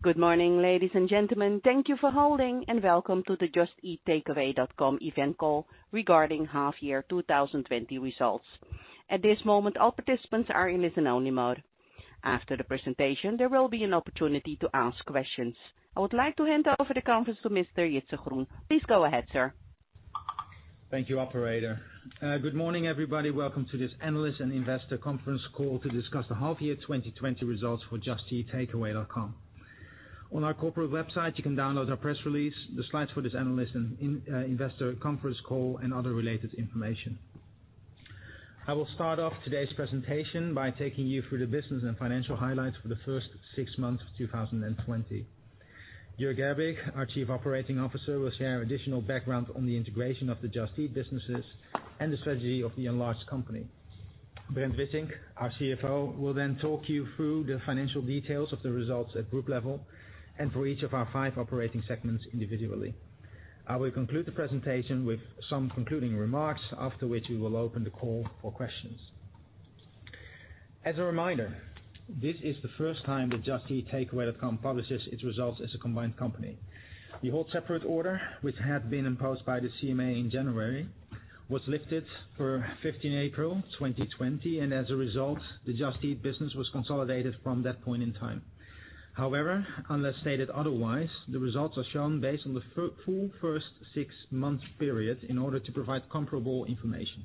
Good morning, ladies and gentlemen. Thank you for holding, and welcome to the Just Eat Takeaway.com event call regarding half year 2020 results. At this moment, all participants are in listen only mode. After the presentation, there will be an opportunity to ask questions. I would like to hand over the conference to Mr. Jitse Groen. Please go ahead, sir. Thank you, operator. Good morning, everybody. Welcome to this analyst and investor conference call to discuss the half year 2020 results for Just Eat Takeaway.com. On our corporate website, you can download our press release, the slides for this analyst and investor conference call, and other related information. I will start off today's presentation by taking you through the business and financial highlights for the first six months of 2020. Jörg Gerbig, our Chief Operating Officer, will share additional background on the integration of the Just Eat businesses and the strategy of the enlarged company. Brent Wissink, our CFO, will then talk you through the financial details of the results at group level and for each of our five operating segments individually. I will conclude the presentation with some concluding remarks, after which we will open the call for questions. As a reminder, this is the first time that Just Eat Takeaway.com publishes its results as a combined company. The hold separate order, which had been imposed by the CMA in January, was lifted per 15 April 2020. As a result, the Just Eat business was consolidated from that point in time. However, unless stated otherwise, the results are shown based on the full first six-month period in order to provide comparable information.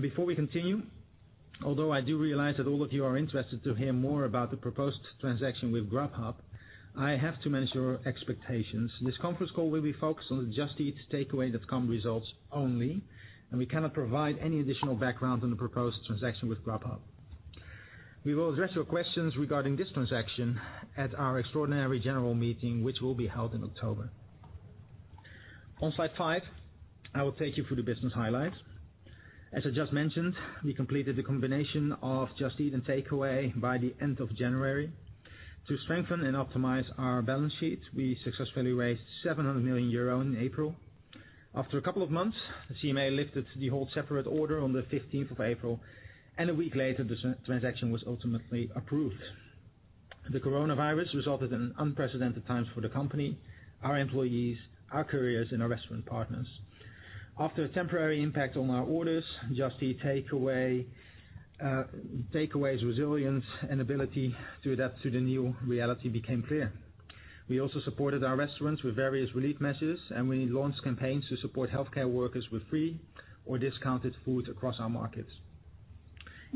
Before we continue, although I do realize that all of you are interested to hear more about the proposed transaction with Grubhub, I have to manage your expectations. This conference call will be focused on the Just Eat Takeaway.com results only. We cannot provide any additional background on the proposed transaction with Grubhub. We will address your questions regarding this transaction at our extraordinary general meeting, which will be held in October. On slide five, I will take you through the business highlights. As I just mentioned, we completed the combination of Just Eat and Takeaway by the end of January. To strengthen and optimize our balance sheet, we successfully raised 700 million euro in April. After a couple of months, the CMA lifted the hold separate order on the 15th of April, and a week later, the transaction was ultimately approved. The coronavirus resulted in unprecedented times for the company, our employees, our careers, and our restaurant partners. After a temporary impact on our orders, Just Eat Takeaway's resilience and ability to adapt to the new reality became clear. We also supported our restaurants with various relief measures, and we launched campaigns to support healthcare workers with free or discounted food across our markets.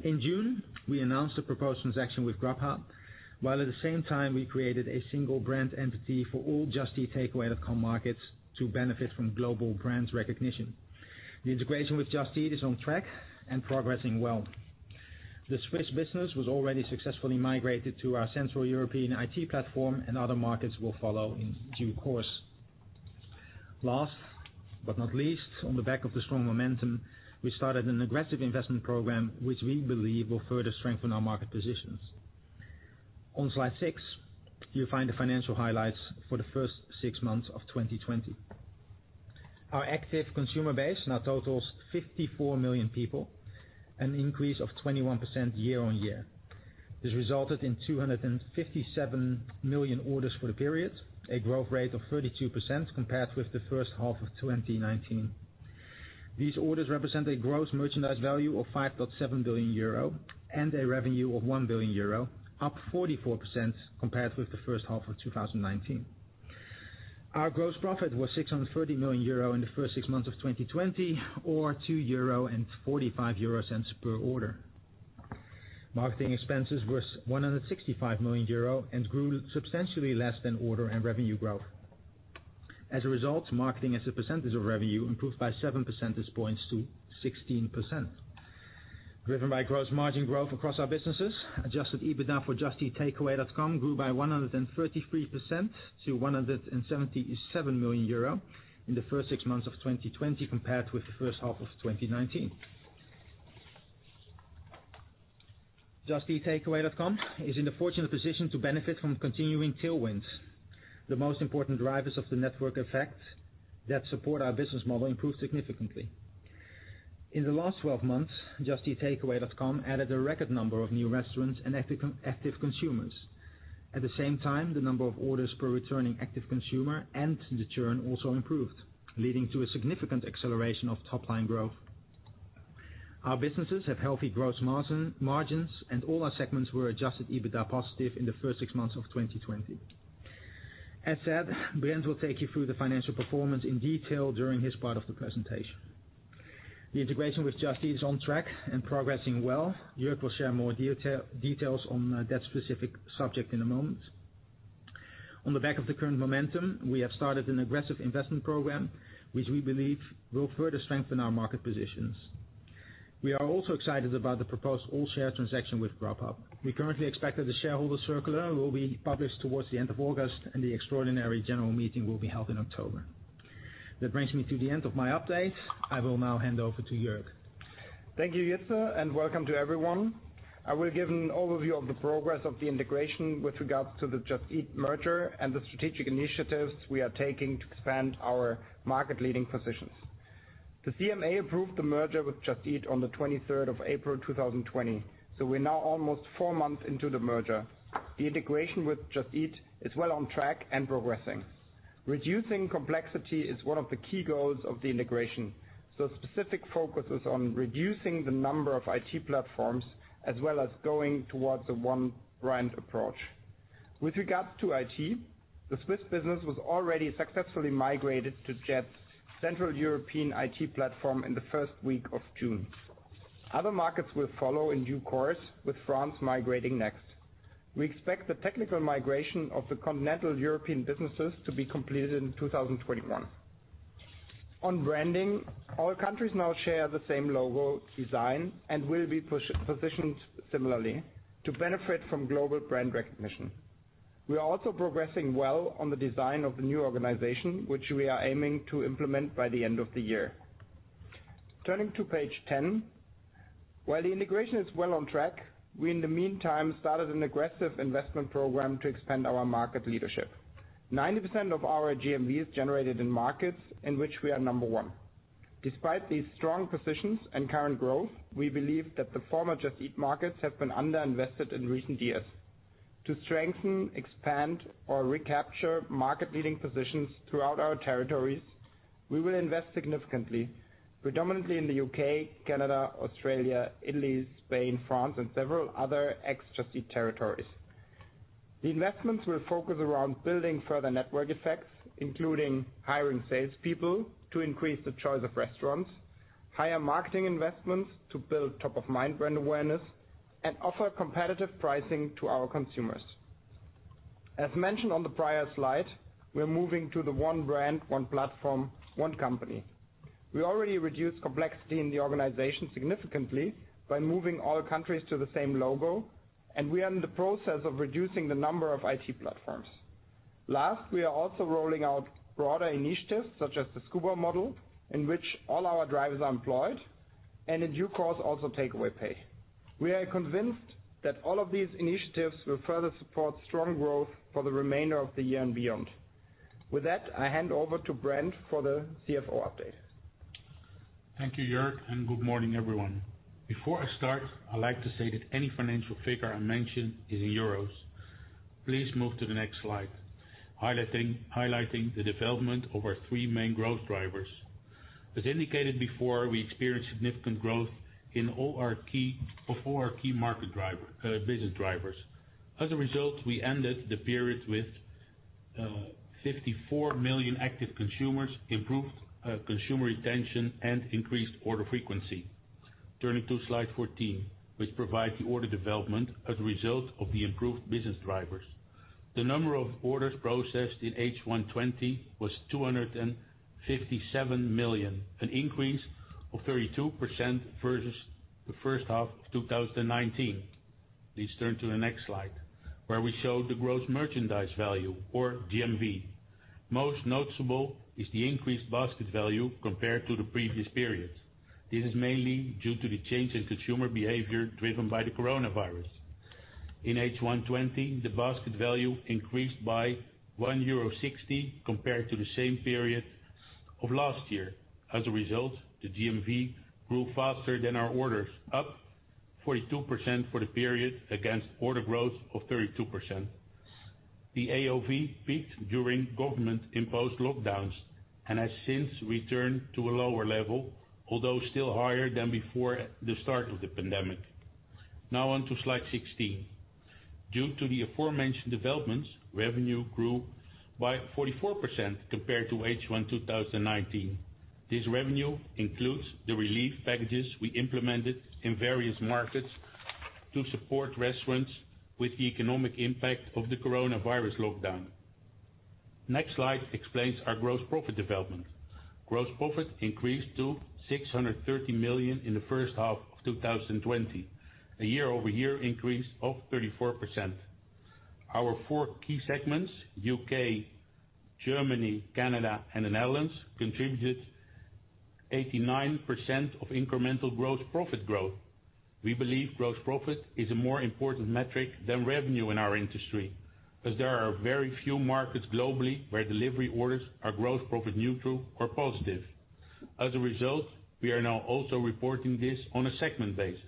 In June, we announced a proposed transaction with Grubhub, while at the same time, we created a single brand entity for all Just Eat Takeaway.com markets to benefit from global brand recognition. The integration with Just Eat is on track and progressing well. The Swiss business was already successfully migrated to our central European IT platform, and other markets will follow in due course. Last but not least, on the back of the strong momentum, we started an aggressive investment program which we believe will further strengthen our market positions. On slide six, you'll find the financial highlights for the first six months of 2020. Our active consumer base now totals 54 million people, an increase of 21% year-on-year. This resulted in 257 million orders for the period, a growth rate of 32% compared with the first half of 2019. These orders represent a gross merchandise value of 5.7 billion euro and a revenue of 1 billion euro, up 44% compared with the first half of 2019. Our gross profit was 630 million euro in the first six months of 2020, or 2.45 euro per order. Marketing expenses were 165 million euro and grew substantially less than order and revenue growth. As a result, marketing as a percentage of revenue improved by seven percentage points to 16%. Driven by gross margin growth across our businesses, adjusted EBITDA for Just Eat Takeaway.com grew by 133% to 177 million euro in the first six months of 2020 compared with the first half of 2019. Just Eat Takeaway.com is in the fortunate position to benefit from continuing tailwinds. The most important drivers of the network effect that support our business model improved significantly. In the last 12 months, Just Eat Takeaway.com added a record number of new restaurants and active consumers. At the same time, the number of orders per returning active consumer and the churn also improved, leading to a significant acceleration of top-line growth. Our businesses have healthy gross margins, and all our segments were adjusted EBITDA positive in the first six months of 2020. As said, Brent will take you through the financial performance in detail during his part of the presentation. The integration with Just Eat is on track and progressing well. Jörg will share more details on that specific subject in a moment. On the back of the current momentum, we have started an aggressive investment program, which we believe will further strengthen our market positions. We are also excited about the proposed all-share transaction with Grubhub. We currently expect that the shareholder circular will be published towards the end of August, and the extraordinary general meeting will be held in October. That brings me to the end of my update. I will now hand over to Jörg. Thank you, Jitse, and welcome to everyone. I will give an overview of the progress of the integration with regards to the Just Eat merger and the strategic initiatives we are taking to expand our market leading positions. The CMA approved the merger with Just Eat on the 23rd of April 2020, so we're now almost four months into the merger. The integration with Just Eat is well on track and progressing. Reducing complexity is one of the key goals of the integration, so specific focus is on reducing the number of IT platforms, as well as going towards a one brand approach. With regards to IT, the Swiss business was already successfully migrated to JET, Central European IT platform, in the first week of June. Other markets will follow in due course, with France migrating next. We expect the technical migration of the continental European businesses to be completed in 2021. On branding, all countries now share the same logo design and will be positioned similarly to benefit from global brand recognition. We are also progressing well on the design of the new organization, which we are aiming to implement by the end of the year. Turning to page 10. While the integration is well on track, we in the meantime, started an aggressive investment program to expand our market leadership. 90% of our GMV is generated in markets in which we are number one. Despite these strong positions and current growth, we believe that the former Just Eat markets have been under-invested in recent years. To strengthen, expand, or recapture market-leading positions throughout our territories, we will invest significantly, predominantly in the U.K., Canada, Australia, Italy, Spain, France, and several other ex-Just Eat territories. The investments will focus around building further network effects, including hiring salespeople to increase the choice of restaurants, higher marketing investments to build top-of-mind brand awareness, and offer competitive pricing to our consumers. As mentioned on the prior slide, we are moving to the one brand, one platform, one company. We already reduced complexity in the organization significantly by moving all countries to the same logo, and we are in the process of reducing the number of IT platforms. Last, we are also rolling out broader initiatives such as the Scoober model, in which all our drivers are employed, and in due course, also Takeaway Pay. We are convinced that all of these initiatives will further support strong growth for the remainder of the year and beyond. With that, I hand over to Brent for the CFO update. Thank you, Jörg, and good morning, everyone. Before I start, I'd like to say that any financial figure I mention is in EUR. Please move to the next slide, highlighting the development of our three main growth drivers. As indicated before, we experienced significant growth in all our four key business drivers. As a result, we ended the period with 54 million active consumers, improved consumer retention, and increased order frequency. Turning to slide 14, which provides the order development as a result of the improved business drivers. The number of orders processed in H1 2020 was 257 million, an increase of 32% versus the first half of 2019. Please turn to the next slide, where we show the gross merchandise value or GMV. Most noticeable is the increased basket value compared to the previous periods. This is mainly due to the change in consumer behavior driven by the coronavirus. In H1 2020, the basket value increased by 1.60 euro compared to the same period of last year. The GMV grew faster than our orders, up 42% for the period against order growth of 32%. The AOV peaked during government-imposed lockdowns and has since returned to a lower level, although still higher than before the start of the pandemic. Now on to slide 16. Due to the aforementioned developments, revenue grew by 44% compared to H1 2019. This revenue includes the relief packages we implemented in various markets to support restaurants with the economic impact of the coronavirus lockdown. Next slide explains our gross profit development. Gross profit increased to 630 million in the first half of 2020, a year-over-year increase of 34%. Our four key segments, U.K., Germany, Canada, and the Netherlands, contributed 89% of incremental gross profit growth. We believe gross profit is a more important metric than revenue in our industry, as there are very few markets globally where delivery orders are gross profit neutral or positive. As a result, we are now also reporting this on a segment basis.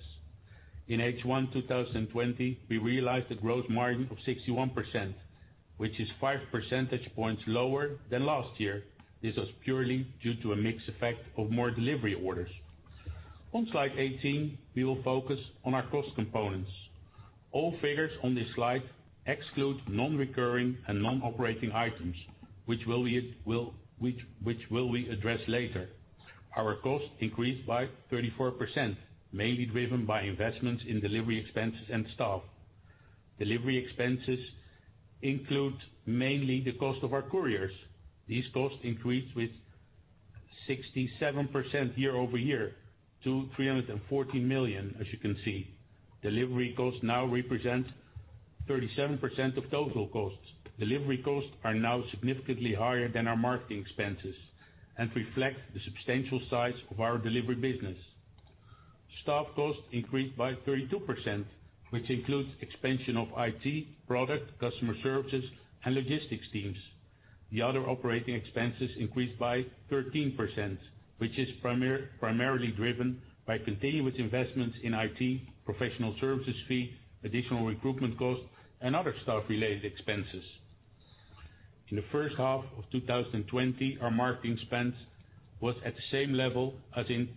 In H1 2020, we realized a gross margin of 61%, which is five percentage points lower than last year. This was purely due to a mix effect of more delivery orders. On slide 18, we will focus on our cost components. All figures on this slide exclude non-recurring and non-operating items, which will we address later. Our cost increased by 34%, mainly driven by investments in delivery expenses and staff. Delivery expenses include mainly the cost of our couriers. These costs increased with 67% year-over-year to 340 million, as you can see. Delivery costs now represent 37% of total costs. Delivery costs are now significantly higher than our marketing expenses and reflect the substantial size of our delivery business. Staff costs increased by 32%, which includes expansion of IT, product, customer services, and logistics teams. The other operating expenses increased by 13%, which is primarily driven by continuous investments in IT, professional services fee, additional recruitment costs, and other staff related expenses. In the first half of 2020, our marketing spend was at the same level as in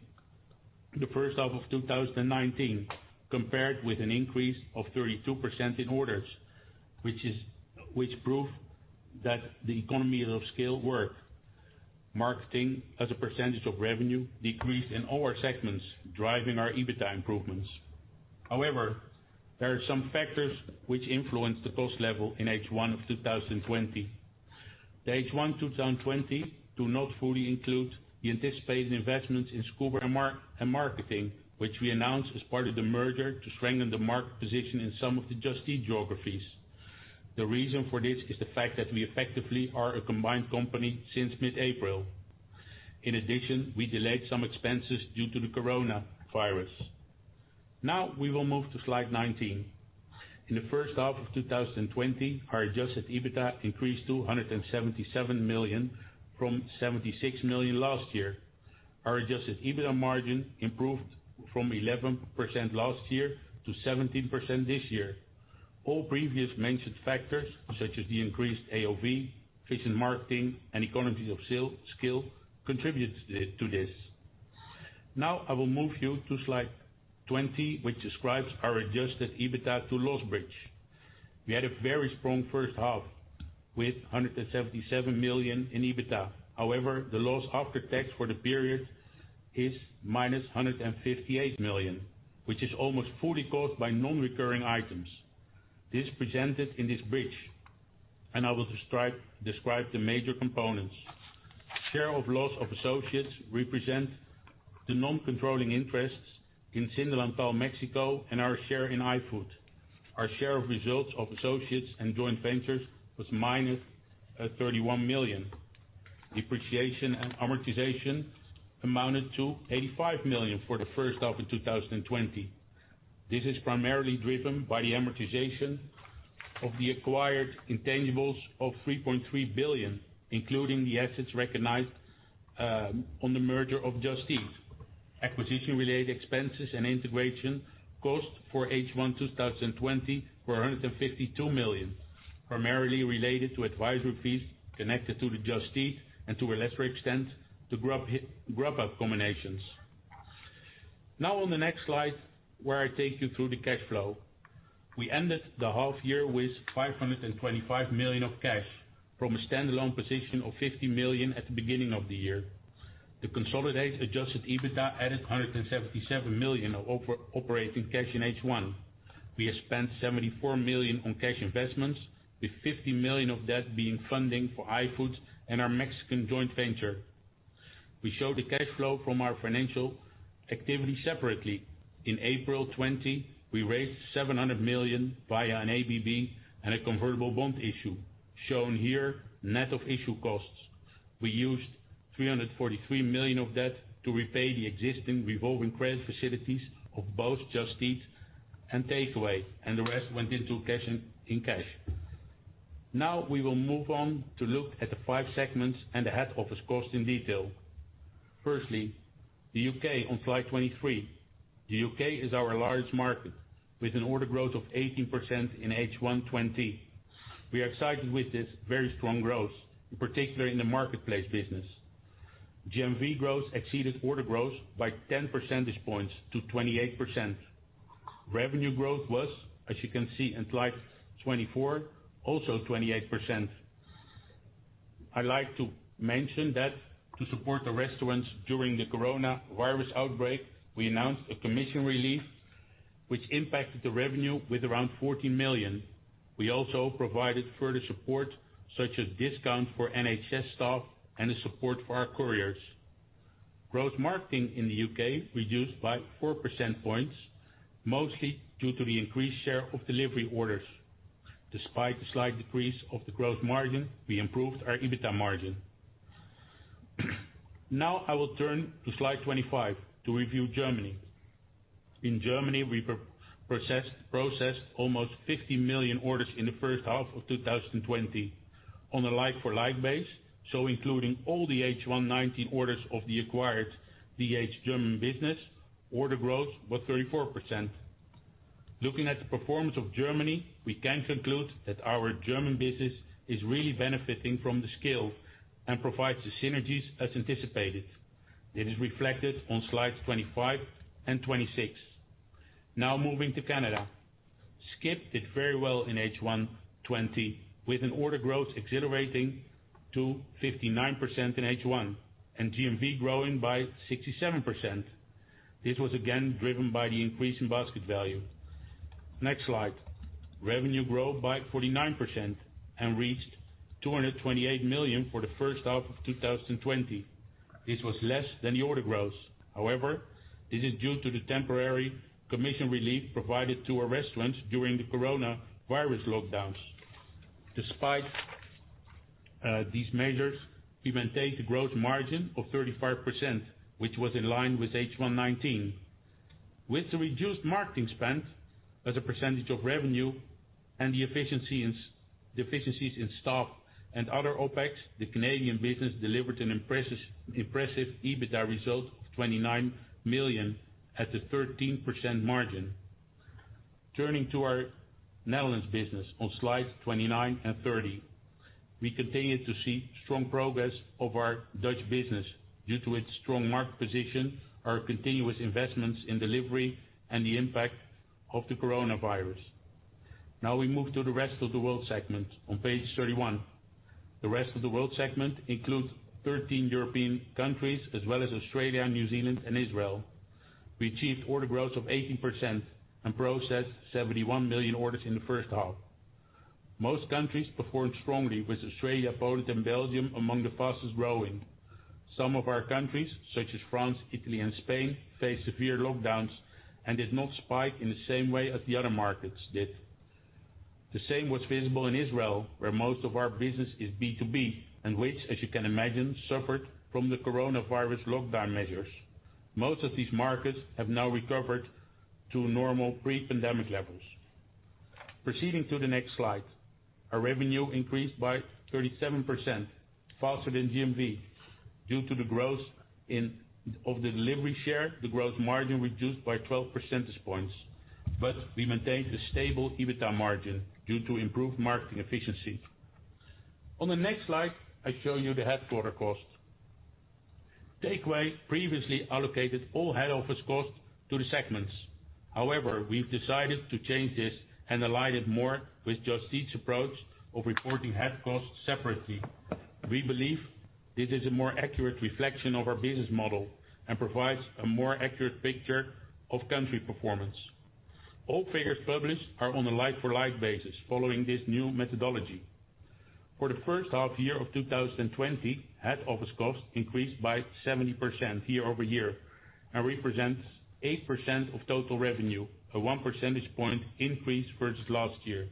the first half of 2019, compared with an increase of 32% in orders, which prove that the economy of scale work. Marketing as a percent of revenue decreased in all our segments, driving our EBITDA improvements. However, there are some factors which influence the cost level in H1 of 2020. The H1 2020 do not fully include the anticipated investments in Delivery and marketing, which we announced as part of the merger to strengthen the market position in some of the Just Eat geographies. The reason for this is the fact that we effectively are a combined company since mid-April. In addition, we delayed some expenses due to the coronavirus. We will move to slide 19. In the first half of 2020, our adjusted EBITDA increased to 177 million from 76 million last year. Our adjusted EBITDA margin improved from 11% last year-17% this year. All previous mentioned factors, such as the increased AOV, efficient marketing, and economies of scale, contributed to this. I will move you to slide 20, which describes our adjusted EBITDA to loss bridge. We had a very strong first half with 177 million in EBITDA. However, the loss after tax for the period is -158 million, which is almost fully caused by non-recurring items. This presented in this bridge. I will describe the major components. Share of loss of associates represent the non-controlling interests in SinDelantal Mexico and our share in iFood. Our share of results of associates and joint ventures was -31 million. Depreciation and amortization amounted to 85 million for the first half of 2020. This is primarily driven by the amortization of the acquired intangibles of 3.3 billion, including the assets recognized on the merger of Just Eat. Acquisition related expenses and integration costs for H1 2020 were 152 million, primarily related to advisory fees connected to the Just Eat and to a lesser extent, the Grubhub combinations. Now on the next slide, where I take you through the cash flow. We ended the half year with 525 million of cash from a standalone position of 50 million at the beginning of the year. The consolidated adjusted EBITDA added 177 million of operating cash in H1. We have spent 74 million on cash investments, with 50 million of that being funding for iFood and our Mexican joint venture. We show the cash flow from our financial activity separately. In April 2020, we raised 700 million via an ABB and a convertible bond issue, shown here net of issue costs. We used 343 million of that to repay the existing revolving credit facilities of both Just Eat and Takeaway, and the rest went into cash. Now we will move on to look at the five segments and the head office cost in detail. Firstly, the U.K. on slide 23. The U.K. is our largest market with an order growth of 18% in H1 2020. We are excited with this very strong growth, in particular in the marketplace business. GMV growth exceeded order growth by 10 percentage points to 28%. Revenue growth was, as you can see in slide 24, also 28%. I like to mention that to support the restaurants during the coronavirus outbreak, we announced a commission relief which impacted the revenue with around 14 million. We also provided further support such as discount for NHS staff and the support for our couriers. Gross margin in the U.K. reduced by four percent points, mostly due to the increased share of delivery orders. Despite the slight decrease of the growth margin, we improved our EBITDA margin. Now I will turn to slide 25 to review Germany. In Germany, we processed almost 50 million orders in the first half of 2020. On a like-for-like base, so including all the H1 2019 orders of the acquired DH German business, order growth was 34%. Looking at the performance of Germany, we can conclude that our German business is really benefiting from the scale and provides the synergies as anticipated. It is reflected on slides 25 and 26. Moving to Canada. Skip did very well in H1 2020, with an order growth accelerating to 59% in H1 and GMV growing by 67%. This was again driven by the increase in basket value. Next slide. Revenue grew by 49% and reached 228 million for the first half of 2020. However, this was less than the order growth. This is due to the temporary commission relief provided to our restaurants during the coronavirus lockdowns. Despite these measures, we maintain the growth margin of 35%, which was in line with H1 2019. With the reduced marketing spend as a percentage of revenue and the efficiencies in stock and other OPEX, the Canadian business delivered an impressive EBITDA result of 29 million at the 13% margin. Turning to our Netherlands business on slide 29 and 30. We continued to see strong progress of our Dutch business due to its strong market position, our continuous investments in delivery, and the impact of the coronavirus. We move to the rest of the world segment on page 31. The rest of the world segment includes 13 European countries as well as Australia, New Zealand and Israel. We achieved order growth of 18% and processed 71 million orders in the first half. Most countries performed strongly, with Australia, Poland, and Belgium among the fastest growing. Some of our countries, such as France, Italy and Spain, faced severe lockdowns and did not spike in the same way as the other markets did. The same was visible in Israel, where most of our business is B2B and which, as you can imagine, suffered from the coronavirus lockdown measures. Most of these markets have now recovered to normal pre-pandemic levels. Proceeding to the next slide. Our revenue increased by 37%, faster than GMV. Due to the growth of the delivery share, the growth margin reduced by 12 percentage points, but we maintained a stable EBITDA margin due to improved marketing efficiency. On the next slide, I show you the headquarter costs. Takeaway previously allocated all head office costs to the segments. However, we've decided to change this and align it more with Just Eat's approach of reporting head costs separately. We believe this is a more accurate reflection of our business model and provides a more accurate picture of country performance. All figures published are on a like-for-like basis, following this new methodology. For the first half year of 2020, head office costs increased by 70% year-over-year and represents 8% of total revenue, a one percentage point increase versus last year.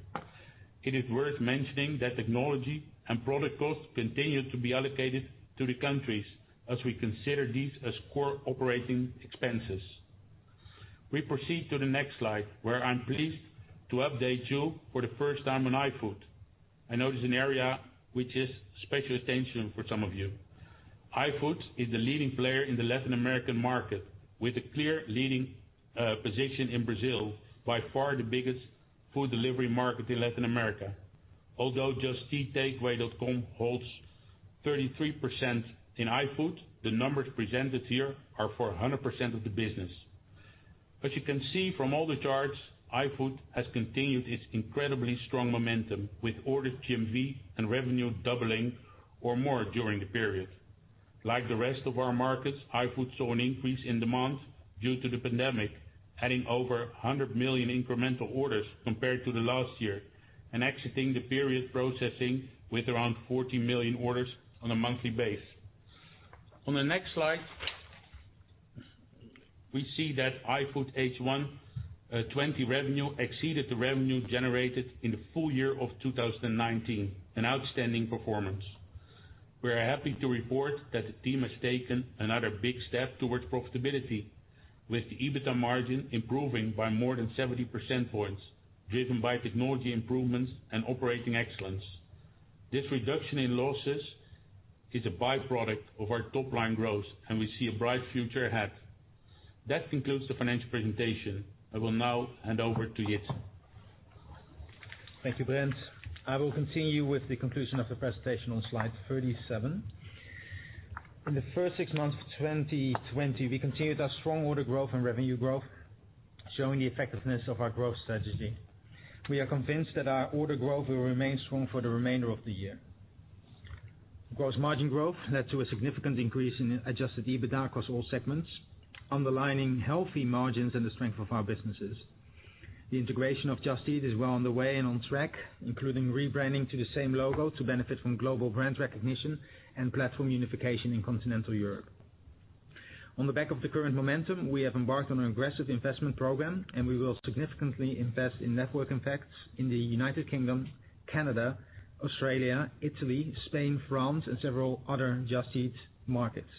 It is worth mentioning that technology and product costs continue to be allocated to the countries as we consider these as core operating expenses. We proceed to the next slide, where I'm pleased to update you for the first time on iFood. I know it is an area which is special attention for some of you. iFood is the leading player in the Latin American market, with a clear leading position in Brazil, by far the biggest food delivery market in Latin America. Although Just Eat Takeaway.com holds 33% in iFood, the numbers presented here are for 100% of the business. As you can see from all the charts, iFood has continued its incredibly strong momentum, with ordered GMV and revenue doubling or more during the period. Like the rest of our markets, iFood saw an increase in demand due to the pandemic, adding over 100 million incremental orders compared to the last year, and exiting the period processing with around 40 million orders on a monthly base. On the next slide, we see that iFood H1 2020 revenue exceeded the revenue generated in the full year of 2019, an outstanding performance. We are happy to report that the team has taken another big step towards profitability, with the EBITDA margin improving by more than 70 percentage points, driven by technology improvements and operating excellence. This reduction in losses is a by-product of our top line growth. We see a bright future ahead. That concludes the financial presentation. I will now hand over to Jitse. Thank you, Brent. I will continue with the conclusion of the presentation on slide 37. In the first six months of 2020, we continued our strong order growth and revenue growth, showing the effectiveness of our growth strategy. We are convinced that our order growth will remain strong for the remainder of the year. Gross margin growth led to a significant increase in adjusted EBITDA across all segments, underlining healthy margins and the strength of our businesses. The integration of Just Eat is well underway and on track, including rebranding to the same logo to benefit from global brand recognition and platform unification in Continental Europe. On the back of the current momentum, we have embarked on an aggressive investment program, and we will significantly invest in network effects in the United Kingdom, Canada, Australia, Italy, Spain, France and several other Just Eat markets.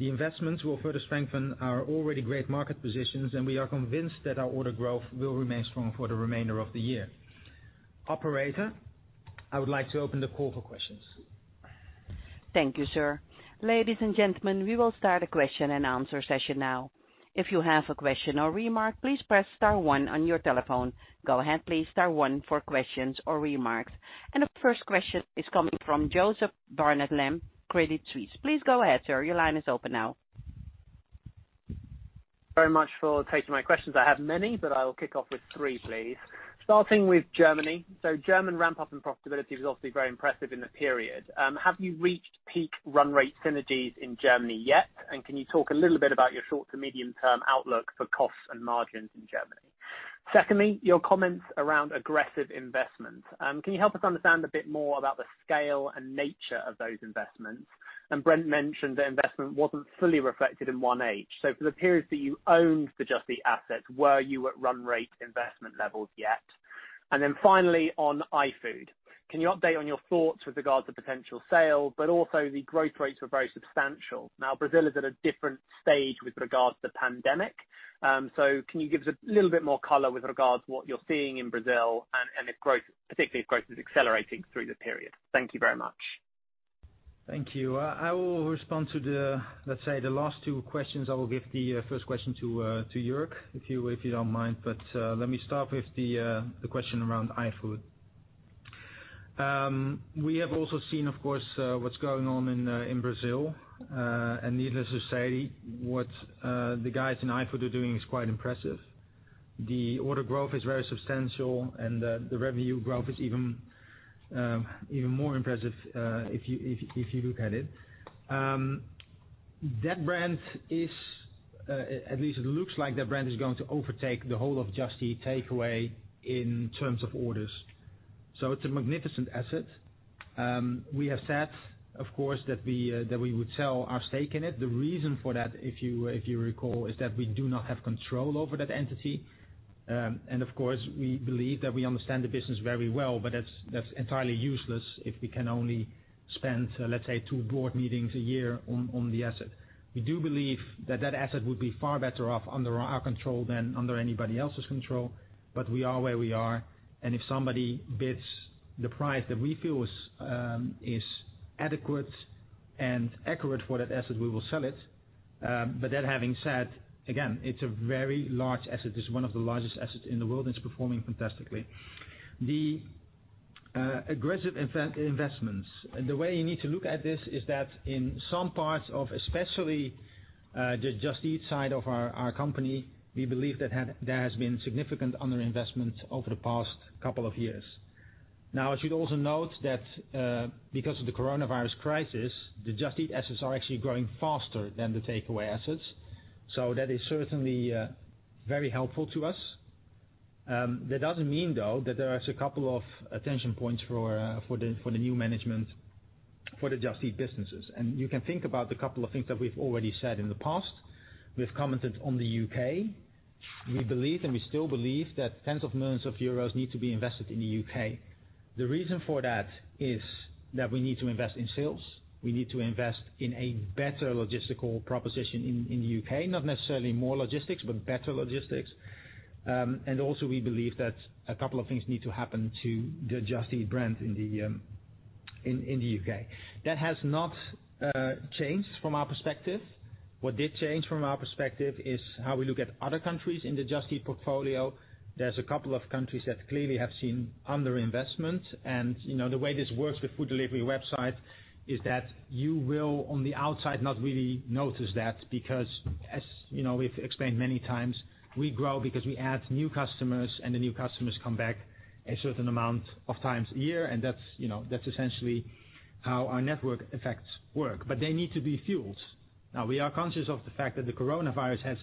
The investments will further strengthen our already great market positions, and we are convinced that our order growth will remain strong for the remainder of the year. Operator, I would like to open the call for questions. Thank you, sir. Ladies and gentlemen, we will start the question and answer session now. If you have a question or remark, please press star one on your telephone. Go ahead please, star one for questions or remarks. The first question is coming from Joseph Barnet-Lamb, Credit Suisse. Please go ahead, sir, your line is open now. very much for taking my questions. I have many. I will kick off with three, please. Starting with Germany. German ramp-up and profitability was obviously very impressive in the period. Have you reached peak run rate synergies in Germany yet? Can you talk a little bit about your short to medium-term outlook for costs and margins in Germany? Secondly, your comments around aggressive investment. Can you help us understand a bit more about the scale and nature of those investments? Brent mentioned the investment wasn't fully reflected in H1. For the periods that you owned the Just Eat assets, were you at run rate investment levels yet? Finally on iFood, can you update on your thoughts with regards to potential sale, but also the growth rates were very substantial. Brazil is at a different stage with regards to pandemic. Can you give us a little bit more color with regards to what you're seeing in Brazil and if growth, particularly if growth is accelerating through the period? Thank you very much. Thank you. I will respond to the, let's say the last two questions. I will give the first question to Jörg, if you don't mind. Let me start with the question around iFood. We have also seen, of course, what's going on in Brazil. Needless to say, what the guys in iFood are doing is quite impressive. The order growth is very substantial and the revenue growth is even more impressive, if you look at it. At least it looks like that brand is going to overtake the whole of Just Eat Takeaway.com in terms of orders. It's a magnificent asset. We have said, of course, that we would sell our stake in it. The reason for that, if you recall, is that we do not have control over that entity. Of course, we believe that we understand the business very well, but that's entirely useless if we can only spend, let's say, two board meetings a year on the asset. We do believe that that asset would be far better off under our control than under anybody else's control, but we are where we are, and if somebody bids the price that we feel is adequate and accurate for that asset, we will sell it. That having said, again, it's a very large asset. It's one of the largest assets in the world, and it's performing fantastically. The aggressive investments, the way you need to look at this is that in some parts of especially the Just Eat side of our company, we believe that there has been significant underinvestment over the past couple of years. I should also note that, because of the coronavirus crisis, the Just Eat assets are actually growing faster than the Takeaway.com assets. That is certainly very helpful to us. That doesn't mean, though, that there is a couple of attention points for the new management for the Just Eat businesses. You can think about the couple of things that we've already said in the past. We've commented on the U.K. We believe, and we still believe, that tens of millions of EUR need to be invested in the U.K. The reason for that is that we need to invest in sales. We need to invest in a better logistical proposition in the U.K., not necessarily more logistics, but better logistics. Also we believe that a couple of things need to happen to the Just Eat brand in the U.K. That has not changed from our perspective. What did change from our perspective is how we look at other countries in the Just Eat portfolio. There's a couple of countries that clearly have seen underinvestment, and the way this works with food delivery website is that you will, on the outside, not really notice that because as we've explained many times, we grow because we add new customers, and the new customers come back a certain amount of times a year, and that's essentially how our network effects work. They need to be fueled. We are conscious of the fact that the coronavirus has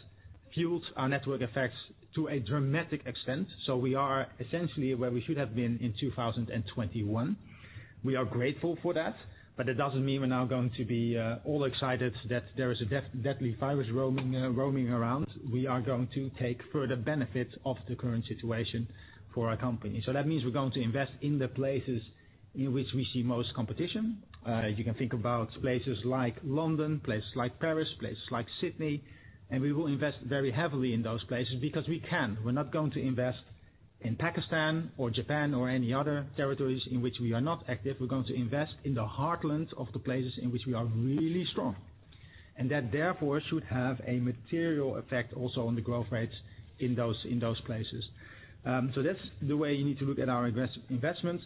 fueled our network effects to a dramatic extent. We are essentially where we should have been in 2021. We are grateful for that, but it doesn't mean we're now going to be all excited that there is a deadly virus roaming around. We are going to take further benefit of the current situation for our company. That means we're going to invest in the places in which we see most competition. You can think about places like London, places like Paris, places like Sydney, and we will invest very heavily in those places because we can. We're not going to invest in Pakistan or Japan or any other territories in which we are not active. We're going to invest in the heartland of the places in which we are really strong. That, therefore, should have a material effect also on the growth rates in those places. That's the way you need to look at our aggressive investments.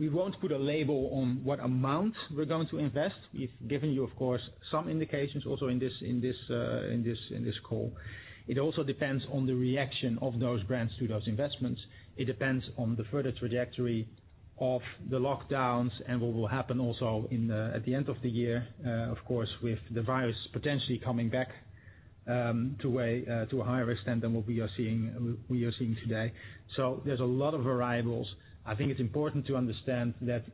We won't put a label on what amount we're going to invest. We've given you, of course, some indications also in this call. It also depends on the reaction of those brands to those investments. It depends on the further trajectory of the lockdowns and what will happen also at the end of the year, of course, with the virus potentially coming back to a higher extent than what we are seeing today. There's a lot of variables. I think it's important to understand that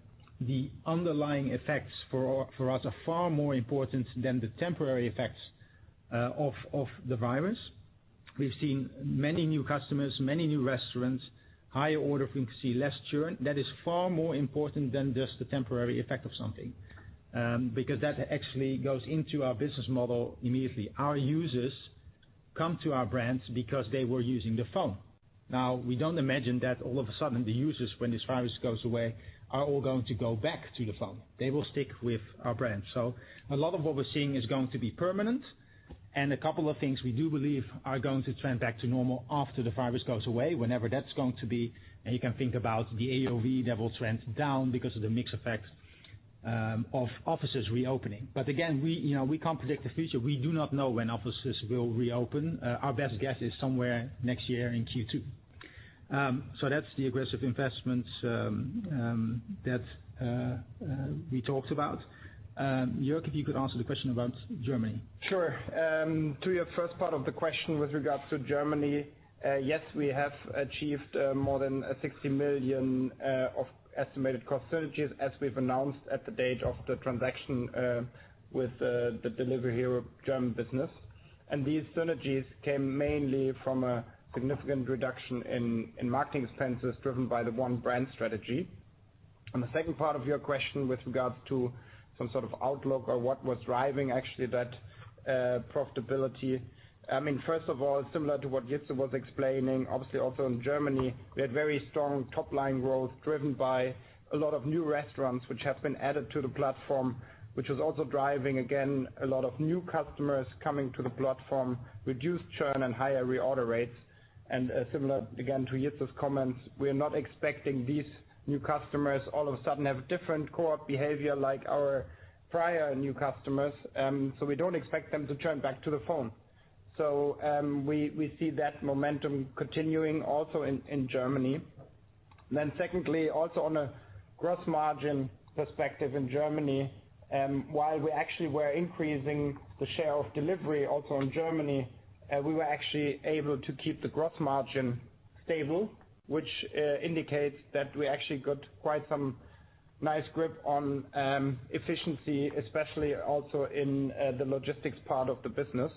the underlying effects for us are far more important than the temporary effects of the virus. We've seen many new customers, many new restaurants, higher order frequency, less churn. That is far more important than just the temporary effect of something. That actually goes into our business model immediately. Our users come to our brands because they were using the phone. We don't imagine that all of a sudden, the users, when this virus goes away, are all going to go back to the phone. They will stick with our brand. A lot of what we're seeing is going to be permanent, and a couple of things we do believe are going to trend back to normal after the virus goes away, whenever that's going to be. You can think about the AOV that will trend down because of the mix effect of offices reopening. Again, we can't predict the future. We do not know when offices will reopen. Our best guess is somewhere next year in Q2. That's the aggressive investments that we talked about. Jörg, if you could answer the question about Germany. Sure. To your first part of the question with regards to Germany, yes, we have achieved more than 60 million of estimated cost synergies, as we've announced at the date of the transaction with the Delivery Hero German business. These synergies came mainly from a significant reduction in marketing expenses driven by the one brand strategy. On the second part of your question with regards to some sort of outlook or what was driving actually that profitability. First of all, similar to what Jitse was explaining, obviously also in Germany, we had very strong top-line growth driven by a lot of new restaurants, which have been added to the platform, which was also driving, again, a lot of new customers coming to the platform, reduced churn and higher reorder rates. Similar, again, to Jitse's comments, we are not expecting these new customers all of a sudden have different cohort behavior like our prior new customers. We don't expect them to churn back to the phone. We see that momentum continuing also in Germany. Secondly, also on a gross margin perspective in Germany, while we actually were increasing the share of delivery also in Germany, we were actually able to keep the gross margin stable, which indicates that we actually got quite some nice grip on efficiency, especially also in the logistics part of the business.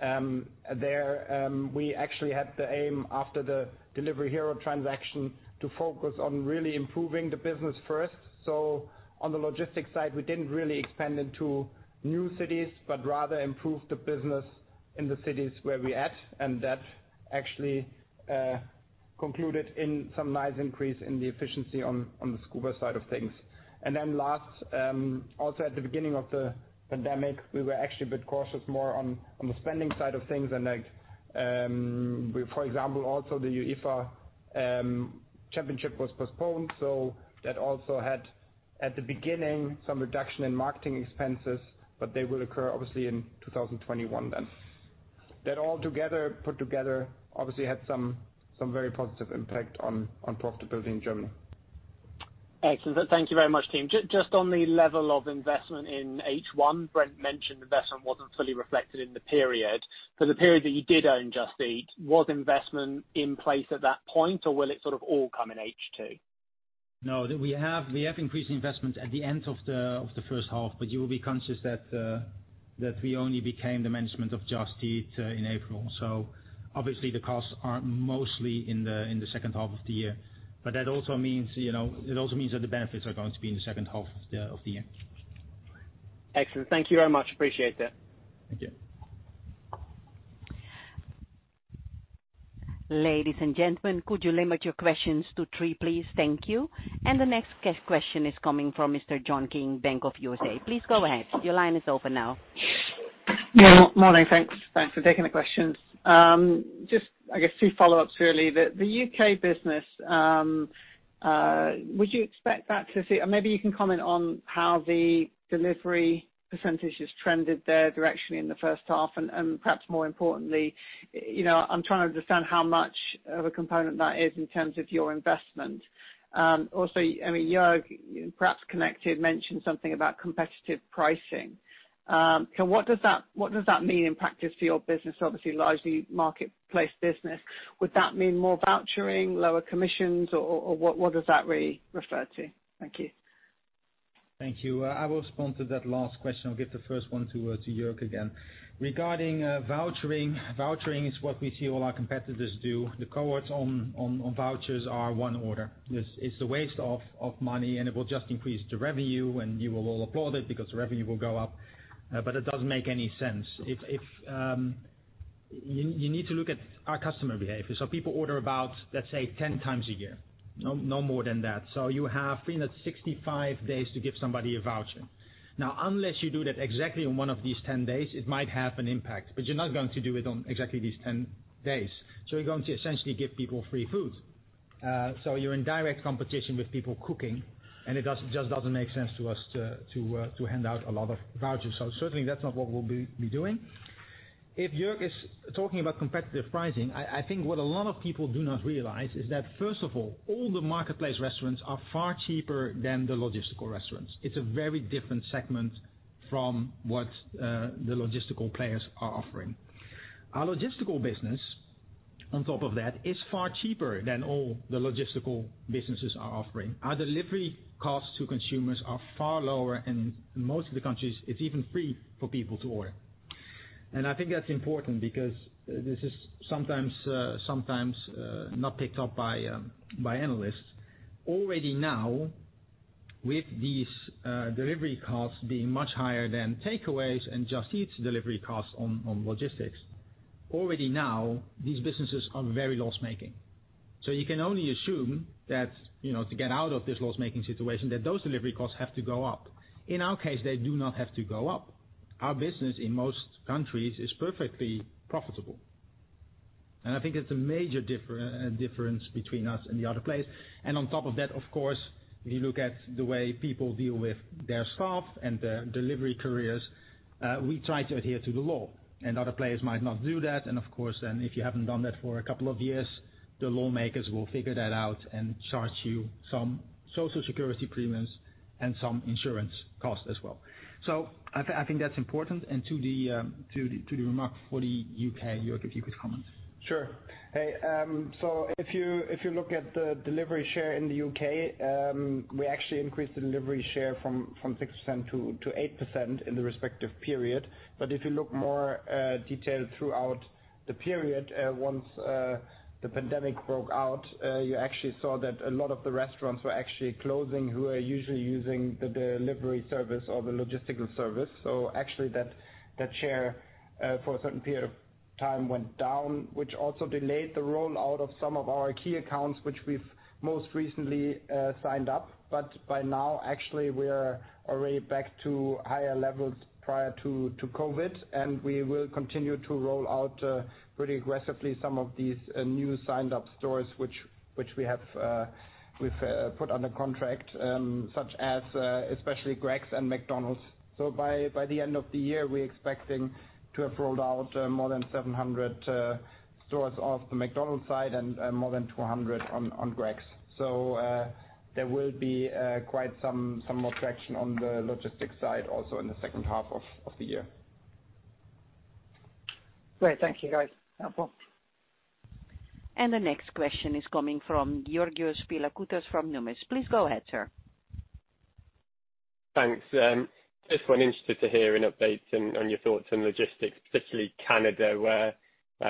There we actually had the aim after the Delivery Hero transaction to focus on really improving the business first. On the logistics side, we didn't really expand into new cities, but rather improve the business in the cities where we at, and that actually concluded in some nice increase in the efficiency on the Scoober side of things. Last, also at the beginning of the pandemic, we were actually a bit cautious more on the spending side of things than like, for example, also the UEFA championship was postponed. That also had, at the beginning, some reduction in marketing expenses, but they will occur obviously in 2021 then. That all put together, obviously had some very positive impact on profitability in Germany. Excellent. Thank you very much, team. Just on the level of investment in H1, Brent mentioned investment wasn't fully reflected in the period. For the period that you did own Just Eat, was investment in place at that point, or will it sort of all come in H2? No, we have increased investment at the end of the first half, but you will be conscious that we only became the management of Just Eat in April. Obviously the costs are mostly in the second half of the year. That also means that the benefits are going to be in the second half of the year. Excellent. Thank you very much. Appreciate that. Thank you. Ladies and gentlemen, could you limit your questions to three, please? Thank you. The next question is coming from Mr. John King, Bank of America. Please go ahead. Your line is open now. Morning. Thanks for taking the questions. Two follow-ups really. The U.K. business, would you expect that or maybe you can comment on how the delivery percentage has trended there directionally in the first half and perhaps more importantly, I'm trying to understand how much of a component that is in terms of your investment. Also, Jörg, perhaps connected, mentioned something about competitive pricing. What does that mean in practice for your business? Largely marketplace business. Would that mean more vouchering, lower commissions or what does that really refer to? Thank you. Thank you. I will respond to that last question. I'll give the first one to Jörg again. Regarding vouchering is what we see all our competitors do. The cohorts on vouchers are one order. It will just increase the revenue and you will all applaud it because the revenue will go up. It doesn't make any sense. You need to look at our customer behavior. People order about, let's say, 10 times a year, no more than that. You have 65 days to give somebody a voucher. Now, unless you do that exactly in one of these 10 days, it might have an impact. You're not going to do it on exactly these 10 days. You're going to essentially give people free food. You're in direct competition with people cooking, and it just doesn't make sense to us to hand out a lot of vouchers. Certainly that's not what we'll be doing. If Jörg is talking about competitive pricing, I think what a lot of people do not realize is that, first of all the marketplace restaurants are far cheaper than the logistical restaurants. It's a very different segment from what the logistical players are offering. Our logistical business, on top of that, is far cheaper than all the logistical businesses are offering. Our delivery costs to consumers are far lower, in most of the countries, it's even free for people to order. I think that's important because this is sometimes not picked up by analysts, already now, with these delivery costs being much higher than Takeaway.com's and Just Eat's delivery costs on logistics. Already now, these businesses are very loss-making. You can only assume that, to get out of this loss-making situation, that those delivery costs have to go up. In our case, they do not have to go up. Our business in most countries is perfectly profitable. I think it's a major difference between us and the other players. On top of that, of course, if you look at the way people deal with their staff and the delivery couriers, we try to adhere to the law, and other players might not do that. Of course, if you haven't done that for a couple of years, the lawmakers will figure that out and charge you some social security premiums and some insurance costs as well. I think that's important. To the remark for the U.K., Jörg, if you could comment. Sure. If you look at the delivery share in the U.K., we actually increased the delivery share from 6%-8% in the respective period. If you look more detailed throughout the period, once the pandemic broke out, you actually saw that a lot of the restaurants were actually closing who were usually using the delivery service or the logistical service. Actually that share for a certain period of time went down, which also delayed the rollout of some of our key accounts, which we've most recently signed up. By now, actually, we're already back to higher levels prior to COVID, and we will continue to roll out pretty aggressively some of these new signed-up stores, which we've put under contract, such as especially Greggs and McDonald's. By the end of the year, we're expecting to have rolled out more than 700 stores off the McDonald's side and more than 200 on Greggs. There will be quite some more traction on the logistics side, also in the second half of the year. Great. Thank you, guys. Helpful. The next question is coming from Georgios Pilakoutas from Numis. Please go ahead, sir. Thanks. First one, interested to hear an update on your thoughts on logistics, particularly Canada, where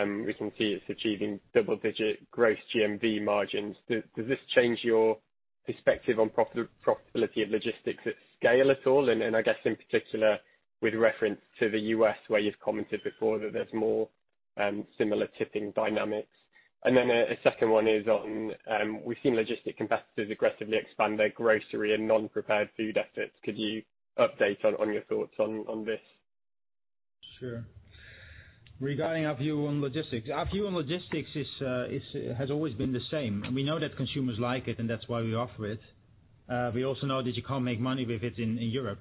we can see it's achieving double-digit gross GMV margins. Does this change your perspective on profitability of logistics at scale at all? I guess in particular with reference to the U.S., where you've commented before that there's more similar tipping dynamics. A second one is on, we've seen logistic competitors aggressively expand their grocery and non-prepared food efforts. Could you update on your thoughts on this? Sure. Regarding our view on logistics, our view on logistics has always been the same. We know that consumers like it, and that's why we offer it. We also know that you can't make money with it in Europe.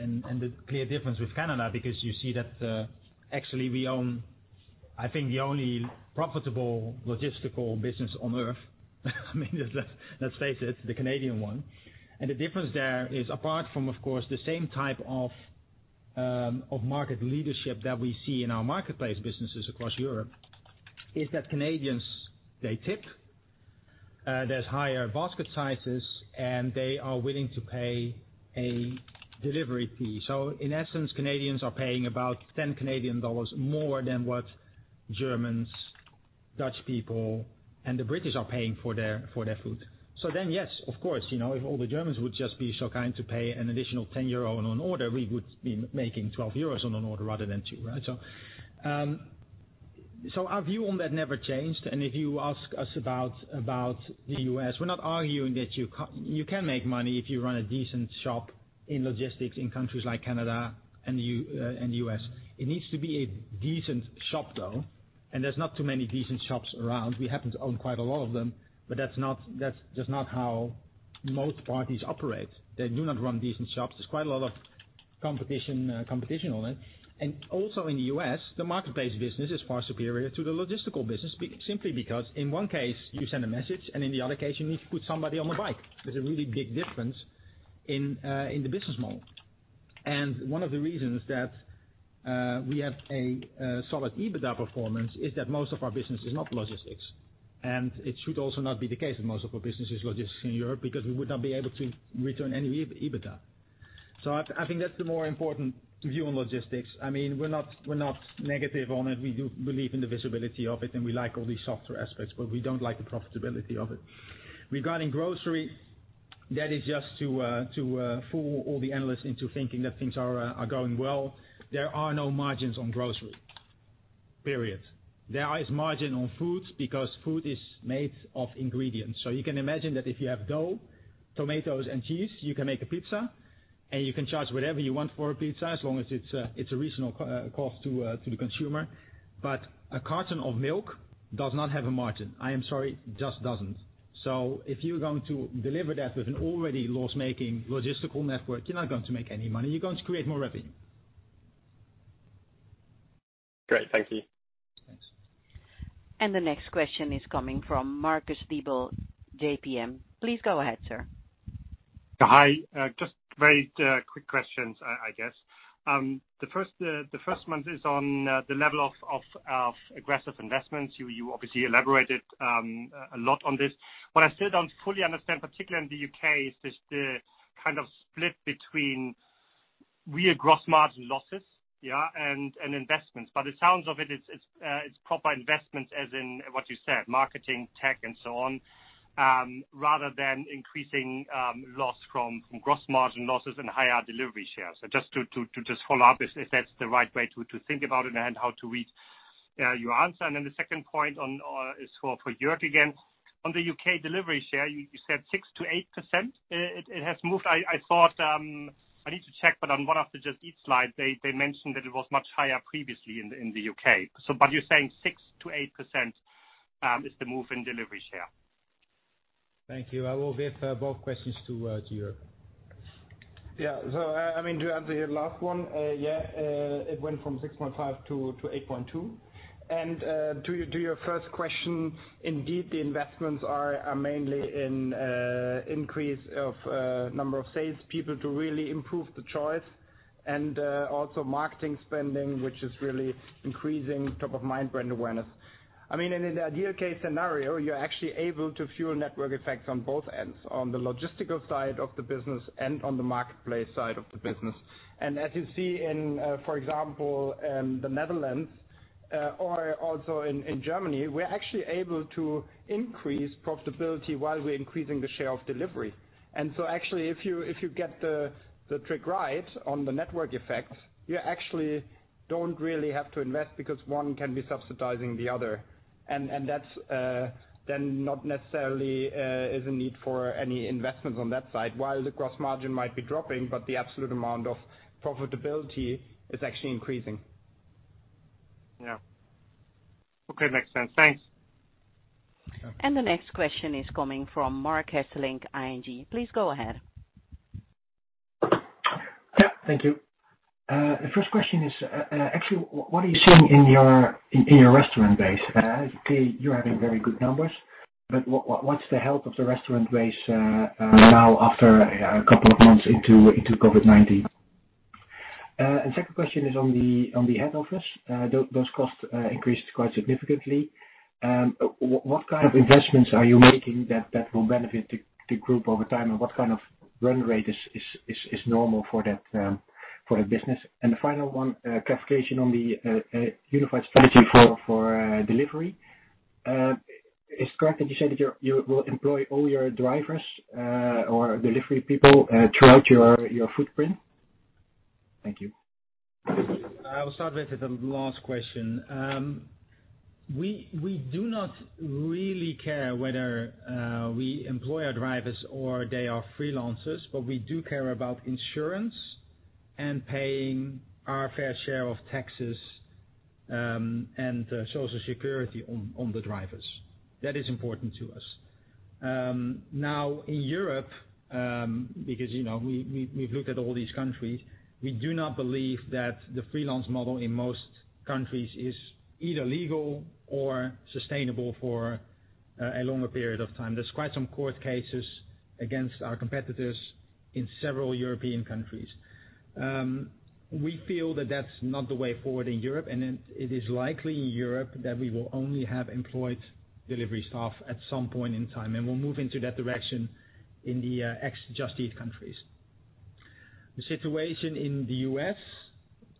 The clear difference with Canada, because you see that actually we own, I think, the only profitable logistical business on Earth, let's face it, the Canadian one. The difference there is, apart from, of course, the same type of market leadership that we see in our marketplace businesses across Europe, is that Canadians, they tip, there's higher basket sizes, and they are willing to pay a delivery fee. In essence, Canadians are paying about 10 Canadian dollars more than what Germans, Dutch people, and the British are paying for their food. Yes, of course, if all the Germans would just be so kind to pay an additional 10 euro on an order, we would be making 12 euros on an order rather than 2, right? Our view on that never changed. If you ask us about the U.S., we're not arguing that you can make money if you run a decent shop in logistics in countries like Canada and the U.S. It needs to be a decent shop, though, and there's not too many decent shops around. We happen to own quite a lot of them, but that's just not how most parties operate. They do not run decent shops. There's quite a lot of competition on it. Also in the U.S., the marketplace business is far superior to the logistical business, simply because in one case, you send a message, and in the other case, you need to put somebody on the bike. There's a really big difference in the business model. One of the reasons that we have a solid EBITDA performance is that most of our business is not logistics. It should also not be the case that most of our business is logistics in Europe, because we would not be able to return any EBITDA. I think that's the more important view on logistics. We're not negative on it. We do believe in the visibility of it, and we like all the software aspects, but we don't like the profitability of it. Regarding grocery, that is just to fool all the analysts into thinking that things are going well. There are no margins on grocery, period. There is margin on foods, because food is made of ingredients. You can imagine that if you have dough, tomatoes, and cheese, you can make a pizza, and you can charge whatever you want for a pizza, as long as it's a reasonable cost to the consumer. A carton of milk does not have a margin. I am sorry, it just doesn't. If you're going to deliver that with an already loss-making logistical network, you're not going to make any money. You're going to create more revenue. Great. Thank you. Thanks. The next question is coming from Marcus Diebel, JPM. Please go ahead, sir. Hi. Just very quick questions, I guess. The first one is on the level of aggressive investments. You obviously elaborated a lot on this. What I still don't fully understand, particularly in the U.K., is just the kind of split between real gross margin losses and investments. By the sounds of it's proper investments, as in what you said, marketing, tech, and so on, rather than increasing loss from gross margin losses and higher delivery shares. Just to follow up if that's the right way to think about it and how to read your answer. The second point is for Jörg again. On the U.K. delivery share, you said 6%-8% it has moved. I thought, I need to check, but on one of the Just Eat slides, they mentioned that it was much higher previously in the U.K. You're saying 6%-8% is the move in delivery share? Thank you. I will give both questions to Jörg. Yeah. To answer your last one, yeah, it went from 6.5%-8.2%. To your first question, indeed, the investments are mainly in increase of number of sales people to really improve the choice and also marketing spending, which is really increasing top of mind brand awareness. In an ideal case scenario, you're actually able to fuel network effects on both ends, on the logistical side of the business and on the marketplace side of the business. As you see in, for example, the Netherlands, or also in Germany, we're actually able to increase profitability while we're increasing the share of delivery. Actually, if you get the trick right on the network effect, you actually don't really have to invest because one can be subsidizing the other. That's then not necessarily is a need for any investment on that side, while the gross margin might be dropping, but the absolute amount of profitability is actually increasing. Yeah. Okay. Makes sense. Thanks. You're welcome. The next question is coming from Marc Hesselink, ING. Please go ahead. Yeah. Thank you. The first question is, actually, what are you seeing in your restaurant base? You're having very good numbers, but what's the health of the restaurant base now after a couple of months into COVID-19? Second question is on the head office. Those costs increased quite significantly. What kind of investments are you making that will benefit the group over time, and what kind of run rate is normal for that business? The final one, clarification on the unified strategy for delivery. Is it correct that you said that you will employ all your drivers or delivery people throughout your footprint? Thank you. I will start with the last question. We do not really care whether we employ our drivers or they are freelancers, but we do care about insurance and paying our fair share of taxes, and social security on the drivers. That is important to us. Now, in Europe, because we've looked at all these countries, we do not believe that the freelance model in most countries is either legal or sustainable for a longer period of time. There's quite some court cases against our competitors in several European countries. We feel that that's not the way forward in Europe, and it is likely in Europe that we will only have employed delivery staff at some point in time, and we'll move into that direction in the ex Just Eat countries. The situation in the U.S.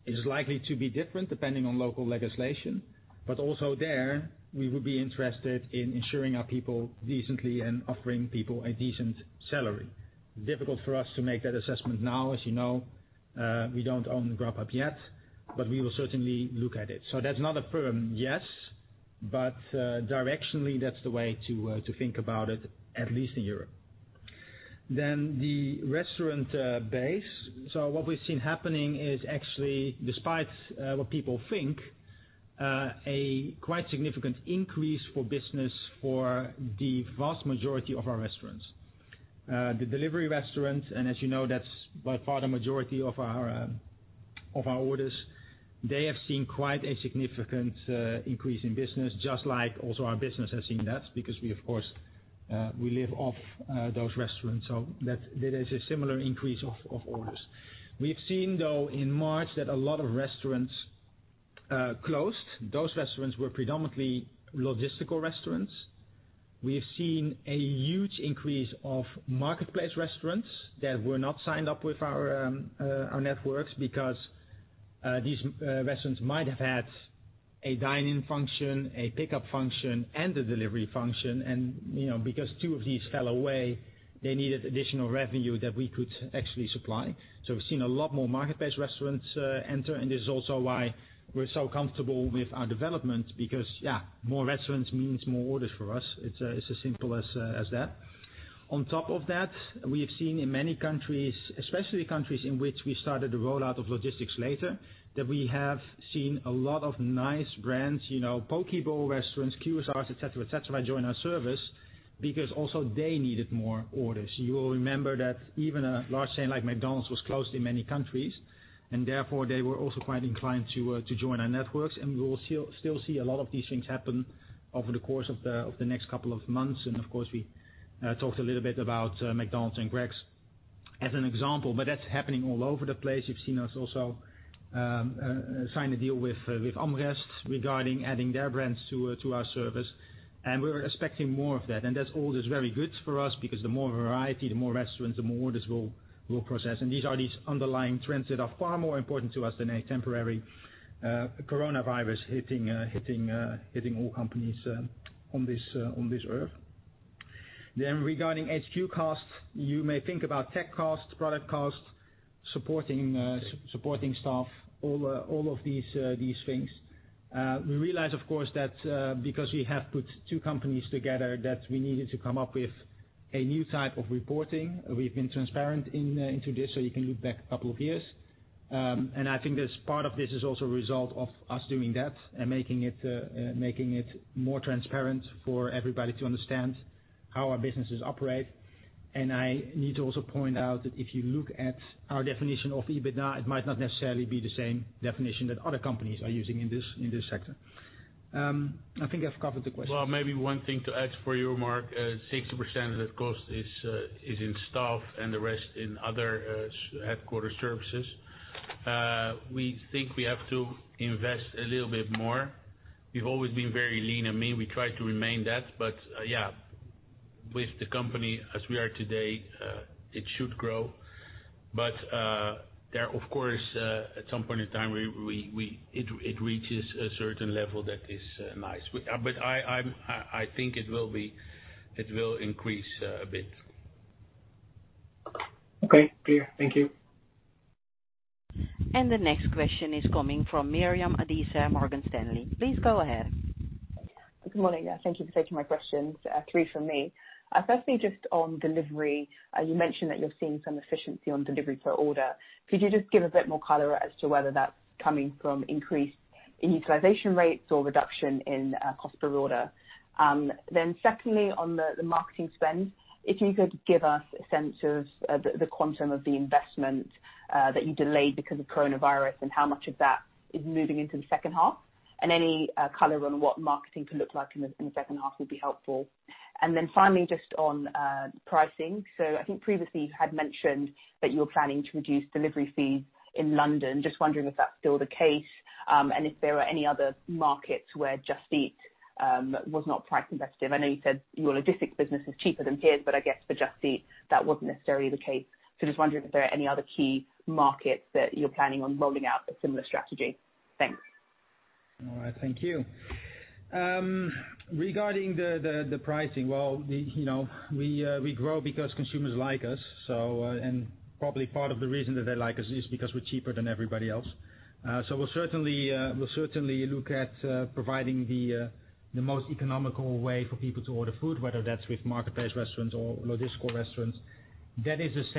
is likely to be different depending on local legislation, but also there, we would be interested in ensuring our people decently and offering people a decent salary. Difficult for us to make that assessment now. As you know, we don't own Grubhub yet, but we will certainly look at it. That's not a firm yes, but directionally, that's the way to think about it, at least in Europe. The restaurant base. What we've seen happening is actually, despite what people think, a quite significant increase for business for the vast majority of our restaurants. The delivery restaurants, and as you know, that's by far the majority of our orders, they have seen quite a significant increase in business, just like also our business has seen that, because we of course, we live off those restaurants. There is a similar increase of orders. We've seen, though, in March that a lot of restaurants closed. Those restaurants were predominantly logistical restaurants. We have seen a huge increase of marketplace restaurants that were not signed up with our networks because these restaurants might have had a dine-in function, a pickup function, and a delivery function. Because two of these fell away, they needed additional revenue that we could actually supply. We've seen a lot more marketplace restaurants enter, and this is also why we're so comfortable with our development because, yeah, more restaurants means more orders for us. It's as simple as that. On top of that, we have seen in many countries, especially countries in which we started the rollout of logistics later, that we have seen a lot of nice brands, Poke Bowl restaurants, QSRs, et cetera, join our service because also they needed more orders. You will remember that even a large chain like McDonald's was closed in many countries, and therefore, they were also quite inclined to join our networks. We will still see a lot of these things happen over the course of the next couple of months. Of course, we talked a little bit about McDonald's and Greggs as an example, but that's happening all over the place. You've seen us also sign a deal with AmRest regarding adding their brands to our service, and we're expecting more of that. That all is very good for us because the more variety, the more restaurants, the more orders we'll process. These are these underlying trends that are far more important to us than a temporary coronavirus hitting all companies on this Earth. Regarding HQ costs, you may think about tech costs, product costs, supporting staff, all of these things. We realize, of course, that because we have put two companies together, that we needed to come up with a new type of reporting. We've been transparent into this, so you can look back a couple of years. I think that part of this is also a result of us doing that and making it more transparent for everybody to understand how our businesses operate. I need to also point out that if you look at our definition of EBITDA, it might not necessarily be the same definition that other companies are using in this sector. I think I've covered the question. Well, maybe one thing to add for you, Marc, 60% of that cost is in staff and the rest in other headquarter services. We think we have to invest a little bit more. We've always been very lean and mean, we try to remain that, but with the company as we are today, it should grow. There, of course, at some point in time, it reaches a certain level that is nice. I think it will increase a bit. Okay, clear. Thank you. The next question is coming from Miriam Adisa, Morgan Stanley. Please go ahead. Good morning. Thank you for taking my questions. Three from me. Just on delivery, you mentioned that you're seeing some efficiency on delivery per order. Could you just give a bit more color as to whether that's coming from increased utilization rates or reduction in cost per order? Secondly, on the marketing spend, if you could give us a sense of the quantum of the investment that you delayed because of Coronavirus and how much of that is moving into the second half. Any color on what marketing could look like in the second half would be helpful. Finally, just on pricing. I think previously you had mentioned that you were planning to reduce delivery fees in London. Just wondering if that's still the case, and if there are any other markets where Just Eat was not price competitive. I know you said your logistical business is cheaper than peers, I guess for Just Eat that wasn't necessarily the case. Just wondering if there are any other key markets that you're planning on rolling out a similar strategy. Thanks. All right. Thank you. Regarding the pricing, well, we grow because consumers like us, and probably part of the reason that they like us is because we're cheaper than everybody else. We'll certainly look at providing the most economical way for people to order food, whether that's with marketplace restaurants or logistical restaurants. If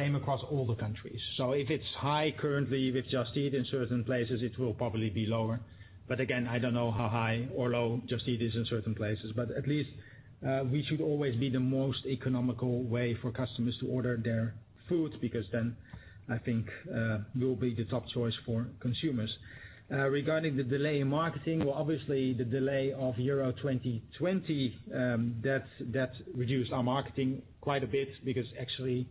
it's high currently with Just Eat in certain places, it will probably be lower. Again, I don't know how high or low Just Eat is in certain places, but at least we should always be the most economical way for customers to order their food, because then I think we'll be the top choice for consumers. Regarding the delay in marketing, well, obviously the delay of Euro 2020, that reduced our marketing quite a bit because actually,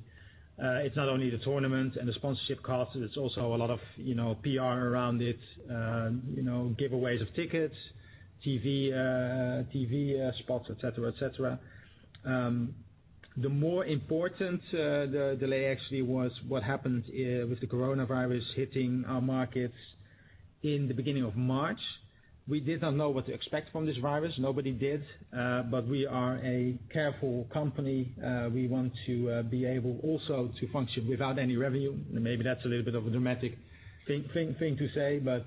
it's not only the tournament and the sponsorship costs, it's also a lot of PR around it, giveaways of tickets, TV spots, et cetera. The more important delay actually was what happened with the coronavirus hitting our markets in the beginning of March. We did not know what to expect from this virus. Nobody did. We are a careful company. We want to be able also to function without any revenue. Maybe that's a little bit of a dramatic thing to say, but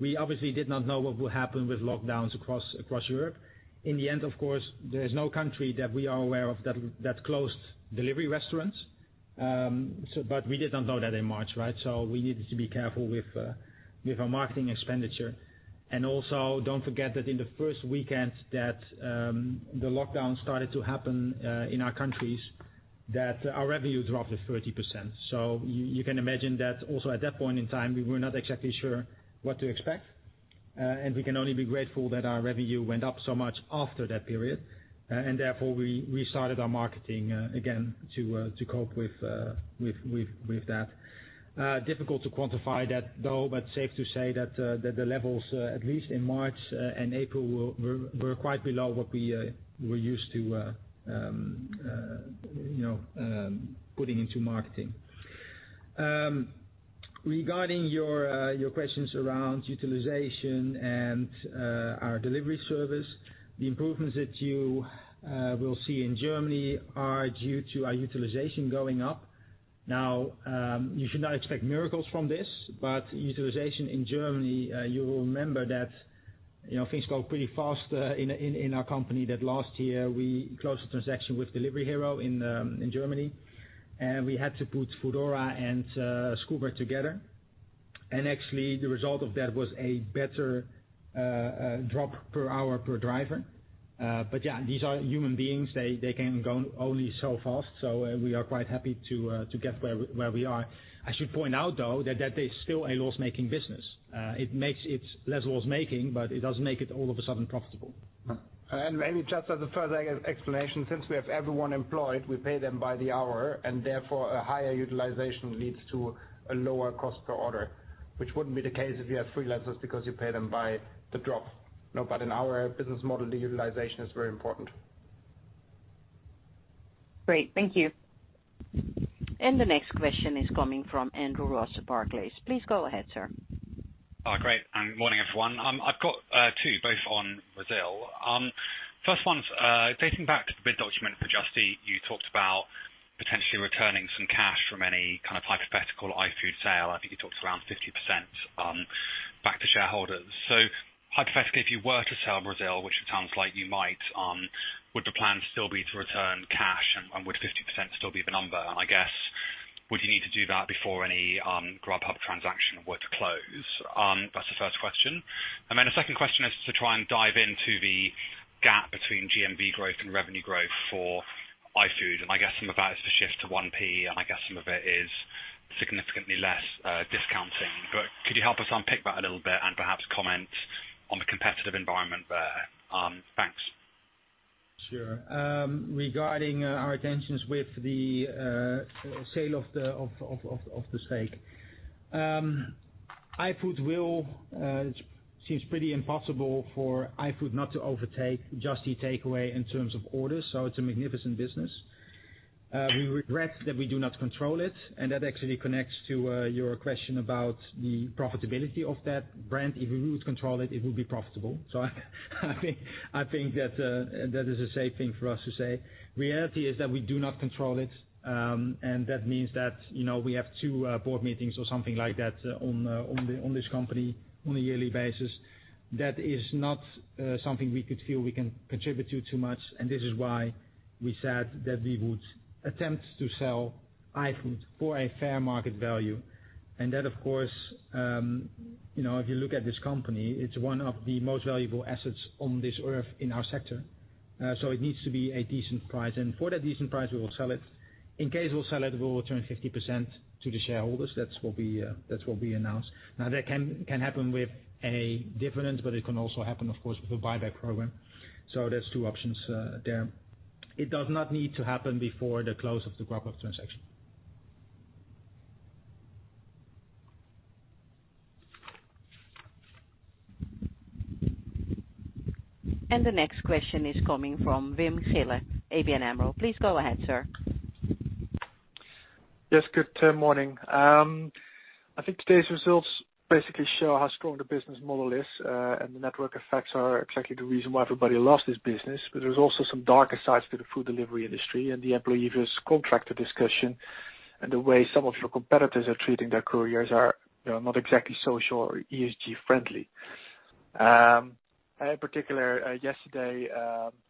we obviously did not know what would happen with lockdowns across Europe. In the end, of course, there is no country that we are aware of that closed delivery restaurants. We did not know that in March, right? We needed to be careful with our marketing expenditure. Don't forget that in the first weekend that the lockdown started to happen in our countries, that our revenue dropped to 30%. You can imagine that also at that point in time, we were not exactly sure what to expect. We can only be grateful that our revenue went up so much after that period. Therefore, we started our marketing again to cope with that. Difficult to quantify that, though, but safe to say that the levels, at least in March and April, were quite below what we were used to putting into marketing. Regarding your questions around utilization and our delivery service, the improvements that you will see in Germany are due to our utilization going up. You should not expect miracles from this, utilization in Germany, you will remember that things go pretty fast in our company, that last year we closed a transaction with Delivery Hero in Germany, we had to put Foodora and Scoober together. Actually, the result of that was a better drop per hour per driver. Yeah, these are human beings, they can go only so fast, we are quite happy to get where we are. I should point out, though, that that is still a loss-making business. It makes it less loss-making, but it doesn't make it all of a sudden profitable. Maybe just as a further explanation, since we have everyone employed, we pay them by the hour, and therefore a higher utilization leads to a lower cost per order, which wouldn't be the case if you have freelancers because you pay them by the drop. In our business model, the utilization is very important. Great. Thank you. The next question is coming from Andrew Ross at Barclays. Please go ahead, sir. Great, morning, everyone. I've got two, both on Brazil. First one's dating back to the bid document for Just Eat, you talked about potentially returning some cash from any kind of hypothetical iFood sale. I think you talked around 50% shareholders. Hypothetically, if you were to sell Brazil, which it sounds like you might, would the plan still be to return cash and would 50% still be the number? Would you need to do that before any Grubhub transaction were to close? That's the first question. The second question is to try and dive into the gap between GMV growth and revenue growth for iFood. I guess some of that is the shift to 1P, and I guess some of it is significantly less discounting. Could you help us unpick that a little bit and perhaps comment on the competitive environment there? Thanks. Sure. Regarding our intentions with the sale of the stake. It seems pretty impossible for iFood not to overtake Just Eat Takeaway.com in terms of orders. It's a magnificent business. We regret that we do not control it, and that actually connects to your question about the profitability of that brand. If we would control it would be profitable. I think that is a safe thing for us to say. Reality is that we do not control it, and that means that we have two board meetings or something like that on this company on a yearly basis. That is not something we could feel we can contribute to too much, and this is why we said that we would attempt to sell iFood for a fair market value. That, if you look at this company, it's one of the most valuable assets on this earth in our sector. It needs to be a decent price. For that decent price, we will sell it. In case we'll sell it, we will return 50% to the shareholders. That's what we announced. Now, that can happen with a dividend, but it can also happen, of course, with a buyback program. There's two options there. It does not need to happen before the close of the Grubhub transaction. The next question is coming from Wim Gille, ABN AMRO. Please go ahead, sir. Yes, good morning. I think today's results basically show how strong the business model is, and the network effects are exactly the reason why everybody loves this business. There's also some darker sides to the food delivery industry, and the employees versus contractor discussion and the way some of your competitors are treating their couriers are not exactly social or ESG friendly. In particular, yesterday,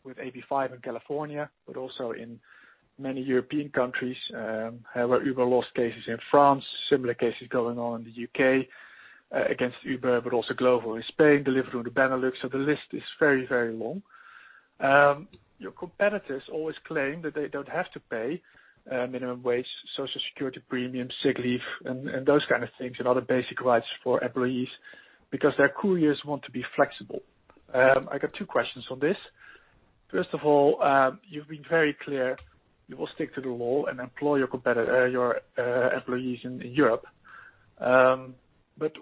with AB 5 in California, but also in many European countries, where Uber lost cases in France, similar cases going on in the U.K. against Uber, but also globally, Spain, Deliveroo, the Benelux. The list is very, very long. Your competitors always claim that they don't have to pay minimum wage, social security premiums, sick leave, and those kind of things, and other basic rights for employees because their couriers want to be flexible. I got two questions on this. First of all, you've been very clear, you will stick to the law and employ your employees in Europe.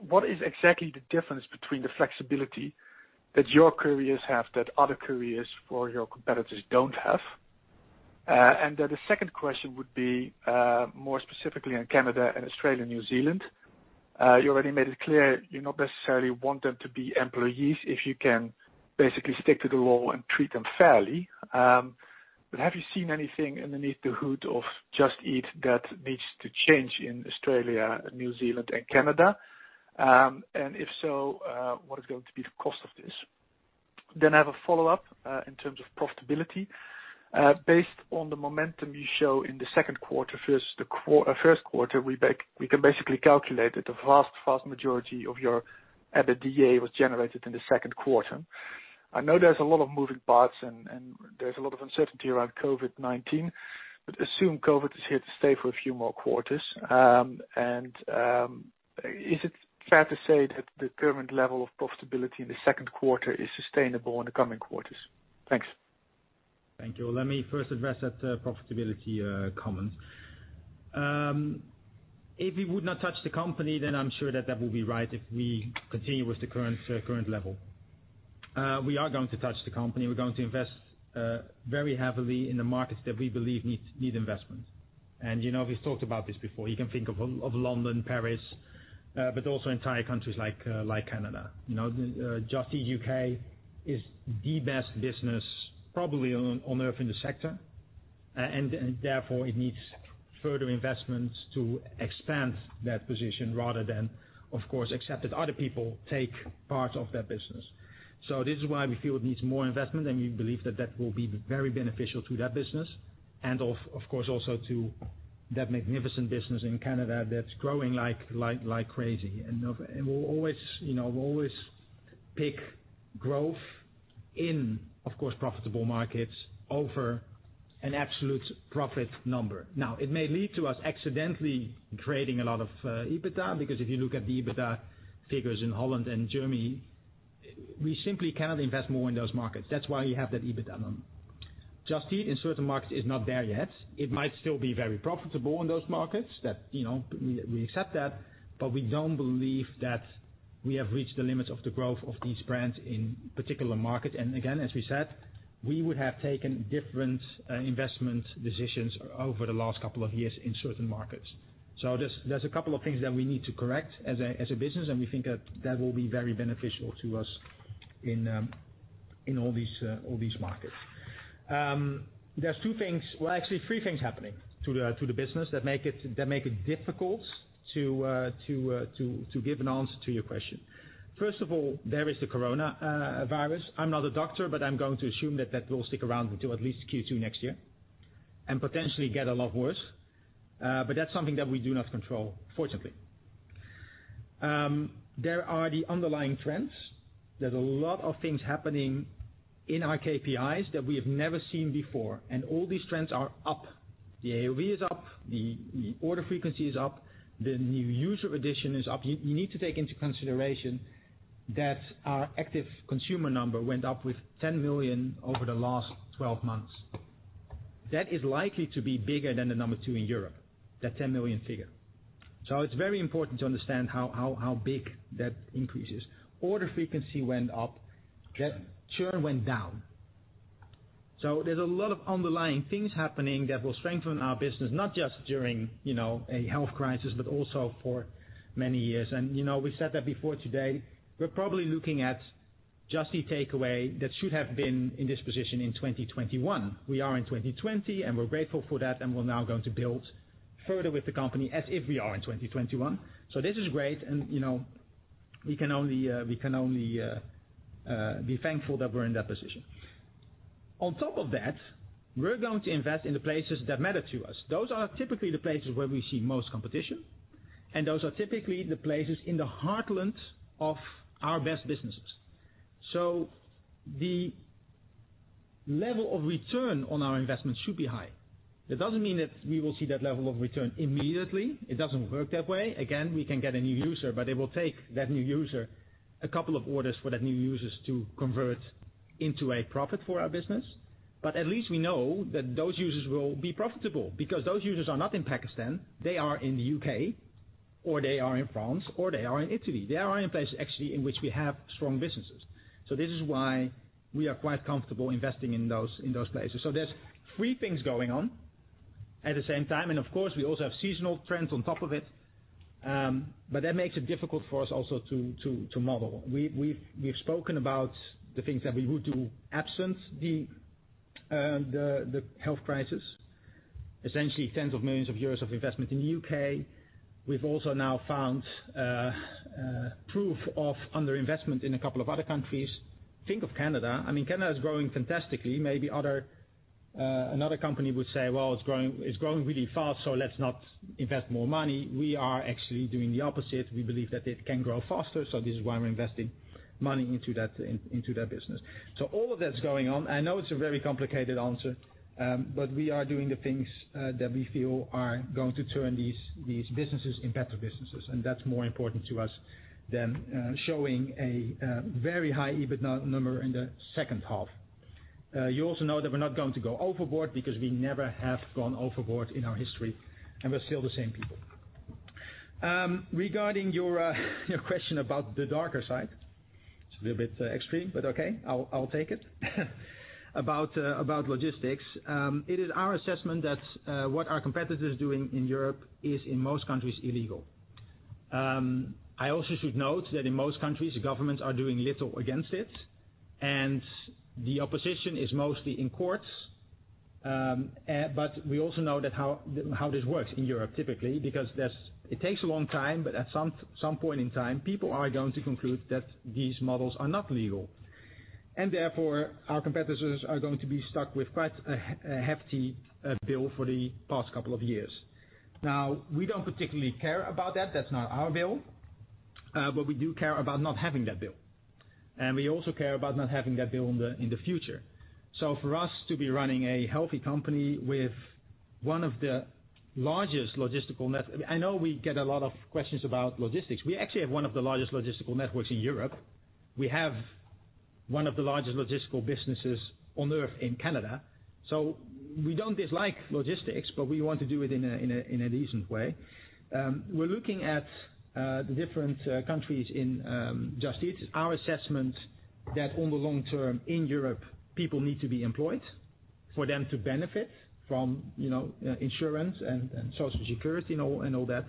What is exactly the difference between the flexibility that your couriers have that other couriers for your competitors don't have? The second question would be, more specifically on Canada and Australia and New Zealand. You already made it clear you not necessarily want them to be employees if you can basically stick to the law and treat them fairly. Have you seen anything underneath the hood of Just Eat that needs to change in Australia, New Zealand, and Canada? If so, what is going to be the cost of this? I have a follow-up, in terms of profitability. Based on the momentum you show in the first quarter, we can basically calculate that the vast majority of your EBITDA was generated in the second quarter. I know there's a lot of moving parts and there's a lot of uncertainty around COVID-19, but assume COVID is here to stay for a few more quarters, and is it fair to say that the current level of profitability in the second quarter is sustainable in the coming quarters? Thanks. Thank you. Let me first address that profitability comment. If we would not touch the company, then I'm sure that that will be right if we continue with the current level. We are going to touch the company. We're going to invest very heavily in the markets that we believe need investment. We've talked about this before. You can think of London, Paris, but also entire countries like Canada. Just Eat U.K. is the best business, probably on Earth in the sector. Therefore, it needs further investments to expand that position rather than accept that other people take part of that business. This is why we feel it needs more investment, and we believe that that will be very beneficial to that business and of course, also to that magnificent business in Canada that's growing like crazy. We'll always pick growth in profitable markets over an absolute profit number. It may lead to us accidentally creating a lot of EBITDA, because if you look at the EBITDA figures in Holland and Germany, we simply cannot invest more in those markets. That's why you have that EBITDA number. Just Eat in certain markets is not there yet. It might still be very profitable in those markets, we accept that, but we don't believe that we have reached the limits of the growth of these brands in particular markets. Again, as we said, we would have taken different investment decisions over the last couple of years in certain markets. There's a couple of things that we need to correct as a business, and we think that that will be very beneficial to us in all these markets. There's two things, well, actually three things happening to the business that make it difficult to give an answer to your question. First of all, there is the coronavirus. I'm not a doctor, but I'm going to assume that that will stick around until at least Q2 next year, and potentially get a lot worse. That's something that we do not control, fortunately. There are the underlying trends. There's a lot of things happening in our KPIs that we have never seen before, and all these trends are up. The AOV is up, the order frequency is up, the new user addition is up. You need to take into consideration that our active consumer number went up with 10 million over the last 12 months. That is likely to be bigger than the number two in Europe, that 10 million figure. It's very important to understand how big that increase is. Order frequency went up, churn went down. There's a lot of underlying things happening that will strengthen our business, not just during a health crisis, but also for many years. We said that before today, we're probably looking at Just Eat Takeaway.com that should have been in this position in 2021. We are in 2020, and we're grateful for that, and we're now going to build further with the company as if we are in 2021. This is great, and we can only be thankful that we're in that position. On top of that, we're going to invest in the places that matter to us. Those are typically the places where we see most competition, and those are typically the places in the heartland of our best businesses. The level of return on our investment should be high. That doesn't mean that we will see that level of return immediately. It doesn't work that way. Again, we can get a new user, but it will take that new user a couple of orders for that new user to convert into a profit for our business. At least we know that those users will be profitable, because those users are not in Pakistan, they are in the U.K., or they are in France, or they are in Italy. They are in places, actually, in which we have strong businesses. This is why we are quite comfortable investing in those places. There's three things going on at the same time, and of course, we also have seasonal trends on top of it. That makes it difficult for us also to model. We've spoken about the things that we would do absent the health crisis, essentially tens of millions of EUR of investment in the U.K. We've also now found proof of under-investment in a couple of other countries. Think of Canada. Canada is growing fantastically. Maybe another company would say, "Well, it's growing really fast, so let's not invest more money." We are actually doing the opposite. We believe that it can grow faster, so this is why we're investing money into that business. All of that's going on. I know it's a very complicated answer, but we are doing the things that we feel are going to turn these businesses in better businesses, and that's more important to us than showing a very high EBIT number in the second half. You also know that we're not going to go overboard because we never have gone overboard in our history, and we're still the same people. Regarding your question about the darker side, it's a little bit extreme, but okay, I'll take it, about logistics. It is our assessment that what our competitors are doing in Europe is, in most countries, illegal. We also should note that in most countries, the governments are doing little against it, and the opposition is mostly in courts. We also know how this works in Europe, typically, because it takes a long time, but at some point in time, people are going to conclude that these models are not legal. Therefore, our competitors are going to be stuck with quite a hefty bill for the past couple of years. Now, we don't particularly care about that. That's not our bill. We do care about not having that bill. We also care about not having that bill in the future. For us to be running a healthy company with one of the largest logistical net--. I know we get a lot of questions about logistics. We actually have one of the largest logistical networks in Europe. We have one of the largest logistical businesses on Earth in Canada. We don't dislike logistics, but we want to do it in a decent way. We're looking at the different countries in Just Eat. It's our assessment that over the long term in Europe, people need to be employed for them to benefit from insurance and social security and all that.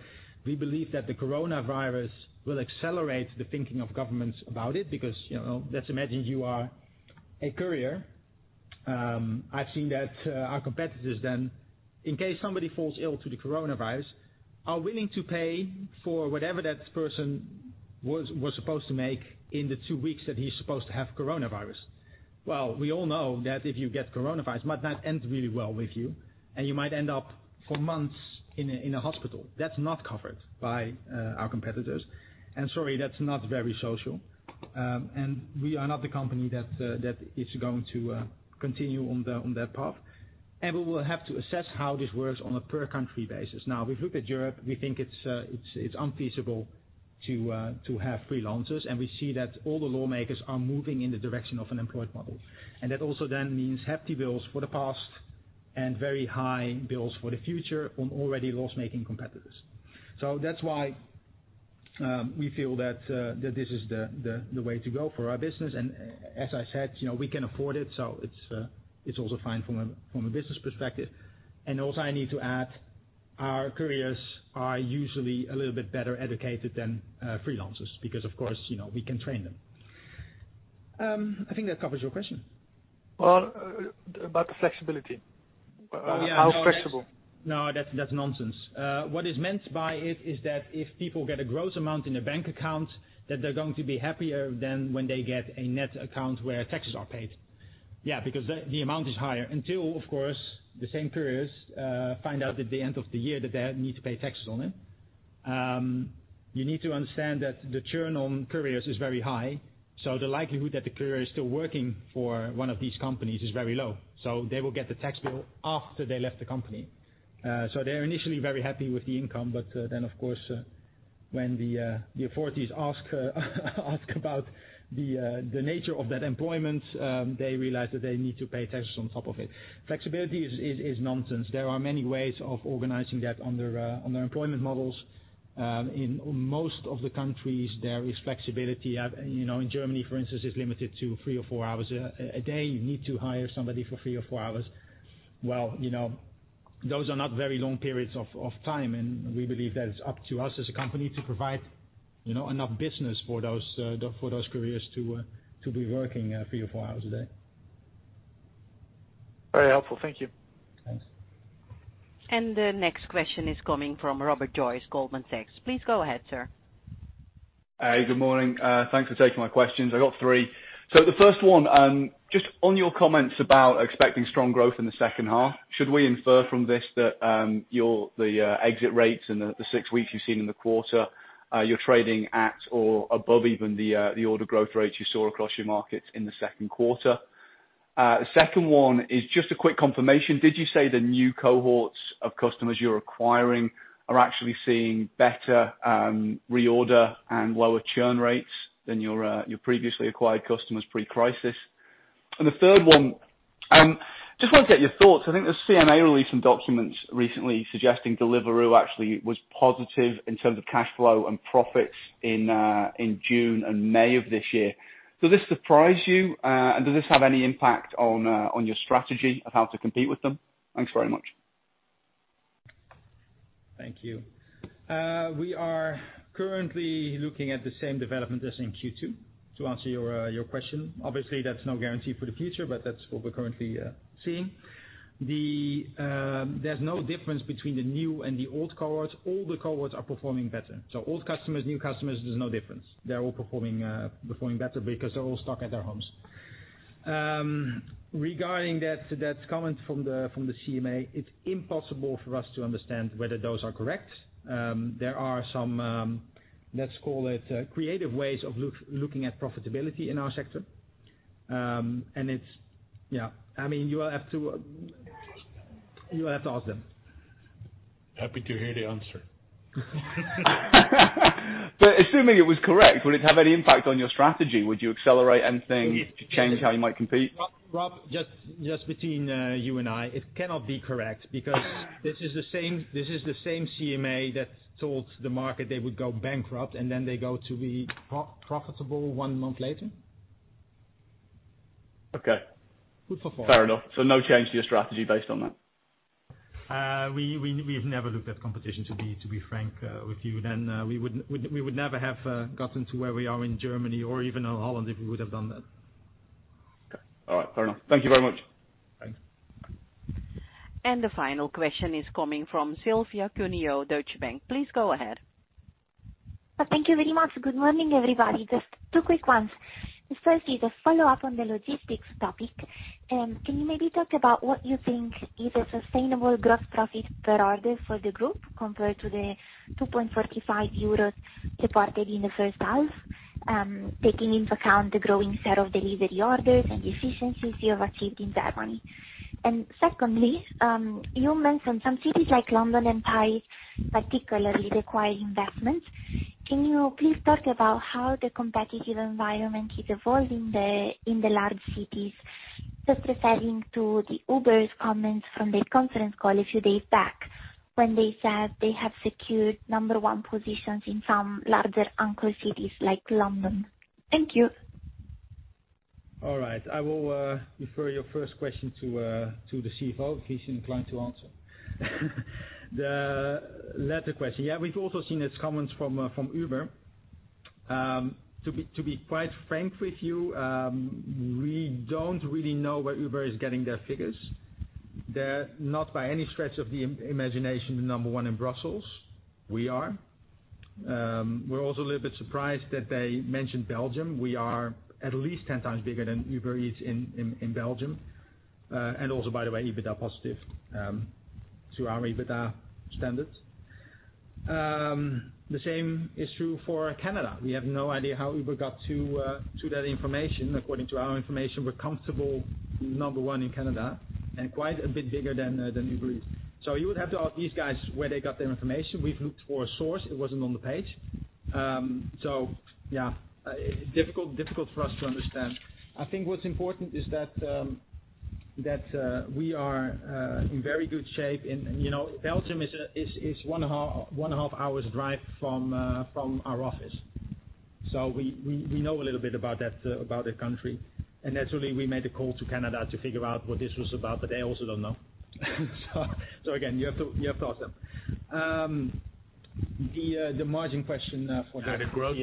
We believe that the coronavirus will accelerate the thinking of governments about it because, let's imagine you are a courier. I've seen that our competitors then, in case somebody falls ill to the coronavirus, are willing to pay for whatever that person was supposed to make in the two weeks that he's supposed to have coronavirus. Well, we all know that if you get coronavirus, it might not end really well with you, and you might end up for months in a hospital. That's not covered by our competitors. Sorry, that's not very social. We are not the company that is going to continue on that path. We will have to assess how this works on a per country basis. Now, we've looked at Europe. We think it's unfeasible to have freelancers, and we see that all the lawmakers are moving in the direction of an employed model. That also then means hefty bills for the past and very high bills for the future on already loss-making competitors. That's why we feel that this is the way to go for our business, and as I said, we can afford it, so it's also fine from a business perspective. Also I need to add our couriers are usually a little bit better educated than freelancers, because of course, we can train them. I think that covers your question. Well, about the flexibility. How flexible? No, that's nonsense. What is meant by it is that if people get a gross amount in their bank account, that they're going to be happier than when they get a net account where taxes are paid. Yeah, because the amount is higher until, of course, the same couriers find out at the end of the year that they need to pay taxes on it. You need to understand that the churn on couriers is very high, so the likelihood that the courier is still working for one of these companies is very low. They will get the tax bill after they left the company. They're initially very happy with the income, but then, of course, when the authorities ask about the nature of that employment, they realize that they need to pay taxes on top of it. Flexibility is nonsense. There are many ways of organizing that under employment models. In most of the countries, there is flexibility. In Germany, for instance, it is limited to three or four hours a day. You need to hire somebody for three or four hours. Well, those are not very long periods of time, and we believe that it is up to us as a company to provide enough business for those couriers to be working three or four hours a day. Very helpful. Thank you. Thanks. The next question is coming from Robert Joyce, Goldman Sachs. Please go ahead, sir. Hey, good morning. Thanks for taking my questions. I got three. The first one, just on your comments about expecting strong growth in the second half, should we infer from this that the exit rates and the six weeks you've seen in the quarter, you're trading at or above even the order growth rates you saw across your markets in the second quarter? Second one is just a quick confirmation. Did you say the new cohorts of customers you're acquiring are actually seeing better reorder and lower churn rates than your previously acquired customers pre-crisis? The third one, just want to get your thoughts. I think the CMA released some documents recently suggesting Deliveroo actually was positive in terms of cash flow and profits in June and May of this year. Does this surprise you? Does this have any impact on your strategy of how to compete with them? Thanks very much. Thank you. We are currently looking at the same development as in Q2, to answer your question. Obviously, that's no guarantee for the future, but that's what we're currently seeing. There's no difference between the new and the old cohorts. All the cohorts are performing better. Old customers, new customers, there's no difference. They're all performing better because they're all stuck at their homes. Regarding that comment from the CMA, it's impossible for us to understand whether those are correct. There are some, let's call it creative ways of looking at profitability in our sector. You will have to ask them. Happy to hear the answer. Assuming it was correct, would it have any impact on your strategy? Would you accelerate anything to change how you might compete? Rob, just between you and I, it cannot be correct because this is the same CMA that told the market they would go bankrupt and then they go to be profitable one month later. Okay. Good for far. Fair enough. No change to your strategy based on that? We have never looked at competition, to be frank with you, we would never have gotten to where we are in Germany or even in Holland if we would have done that. Okay. All right. Fair enough. Thank you very much. Thanks. The final question is coming from Silvia Cuneo, Deutsche Bank. Please go ahead. Thank you very much. Good morning, everybody. Just two quick ones. The first is a follow-up on the logistics topic. Can you maybe talk about what you think is a sustainable gross profit per order for the group compared to the 2.45 euros reported in the first half, taking into account the growing set of delivery orders and efficiencies you have achieved in Germany? Secondly, you mentioned some cities like London and Paris particularly require investments. Can you please talk about how the competitive environment is evolving in the large cities? Just referring to the Uber's comments from their conference call a few days back when they said they have secured number one positions in some larger anchor cities like London. Thank you. All right. I will refer your first question to the CFO if he's inclined to answer. The latter question. Yeah, we've also seen his comments from Uber. To be quite frank with you, we don't really know where Uber is getting their figures. They're not by any stretch of the imagination the number one in Brussels. We are. We're also a little bit surprised that they mentioned Belgium. We are at least 10 times bigger than Uber Eats in Belgium. Also, by the way, EBITDA positive to our EBITDA standards. The same is true for Canada. We have no idea how Uber got to that information. According to our information, we're comfortable number one in Canada and quite a bit bigger than Uber Eats. You would have to ask these guys where they got their information. We've looked for a source. It wasn't on the page. Yeah, difficult for us to understand. I think what's important is that we are in very good shape. Belgium is one and a half hours drive from our office. We know a little bit about that country. Naturally, we made a call to Canada to figure out what this was about, but they also don't know. Again, you have to ask them. The margin question for Canada. Well, as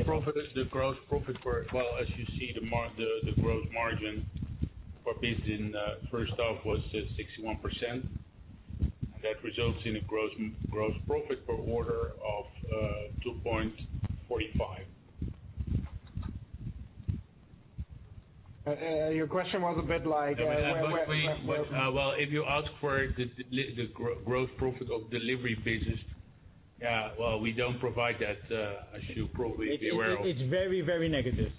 you see, the gross margin for business first off was 61%, and that results in a gross profit per order of 2.45. Your question was a bit like. Well, if you ask for the gross profit of delivery business, well, we don't provide that, as you probably be aware of. It's very negative.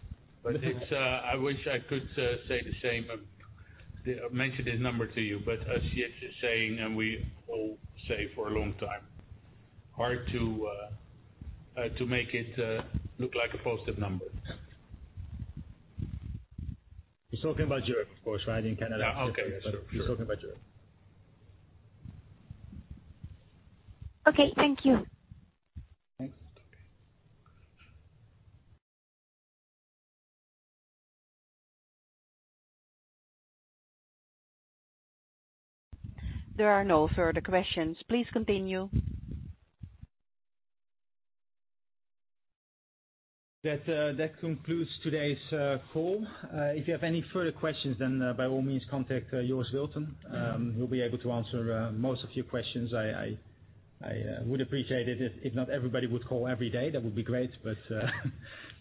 I wish I could say the same, mention this number to you, but as JET is saying, and we all say for a long time, hard to make it look like a positive number. He's talking about Europe, of course. In Canada. Okay. Sure You're talking about Europe. Okay. Thank you. Thanks. Okay. There are no further questions. Please continue. That concludes today's call. If you have any further questions, by all means, contact Joris Wilton. We'll be able to answer most of your questions. I would appreciate it if not everybody would call every day, that would be great.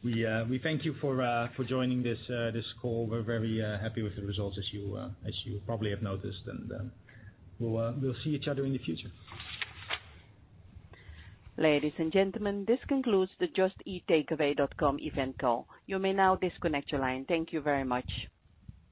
We thank you for joining this call. We're very happy with the results as you probably have noticed, we'll see each other in the future. Ladies and gentlemen, this concludes the Just Eat Takeaway.com event call. You may now disconnect your line. Thank you very much.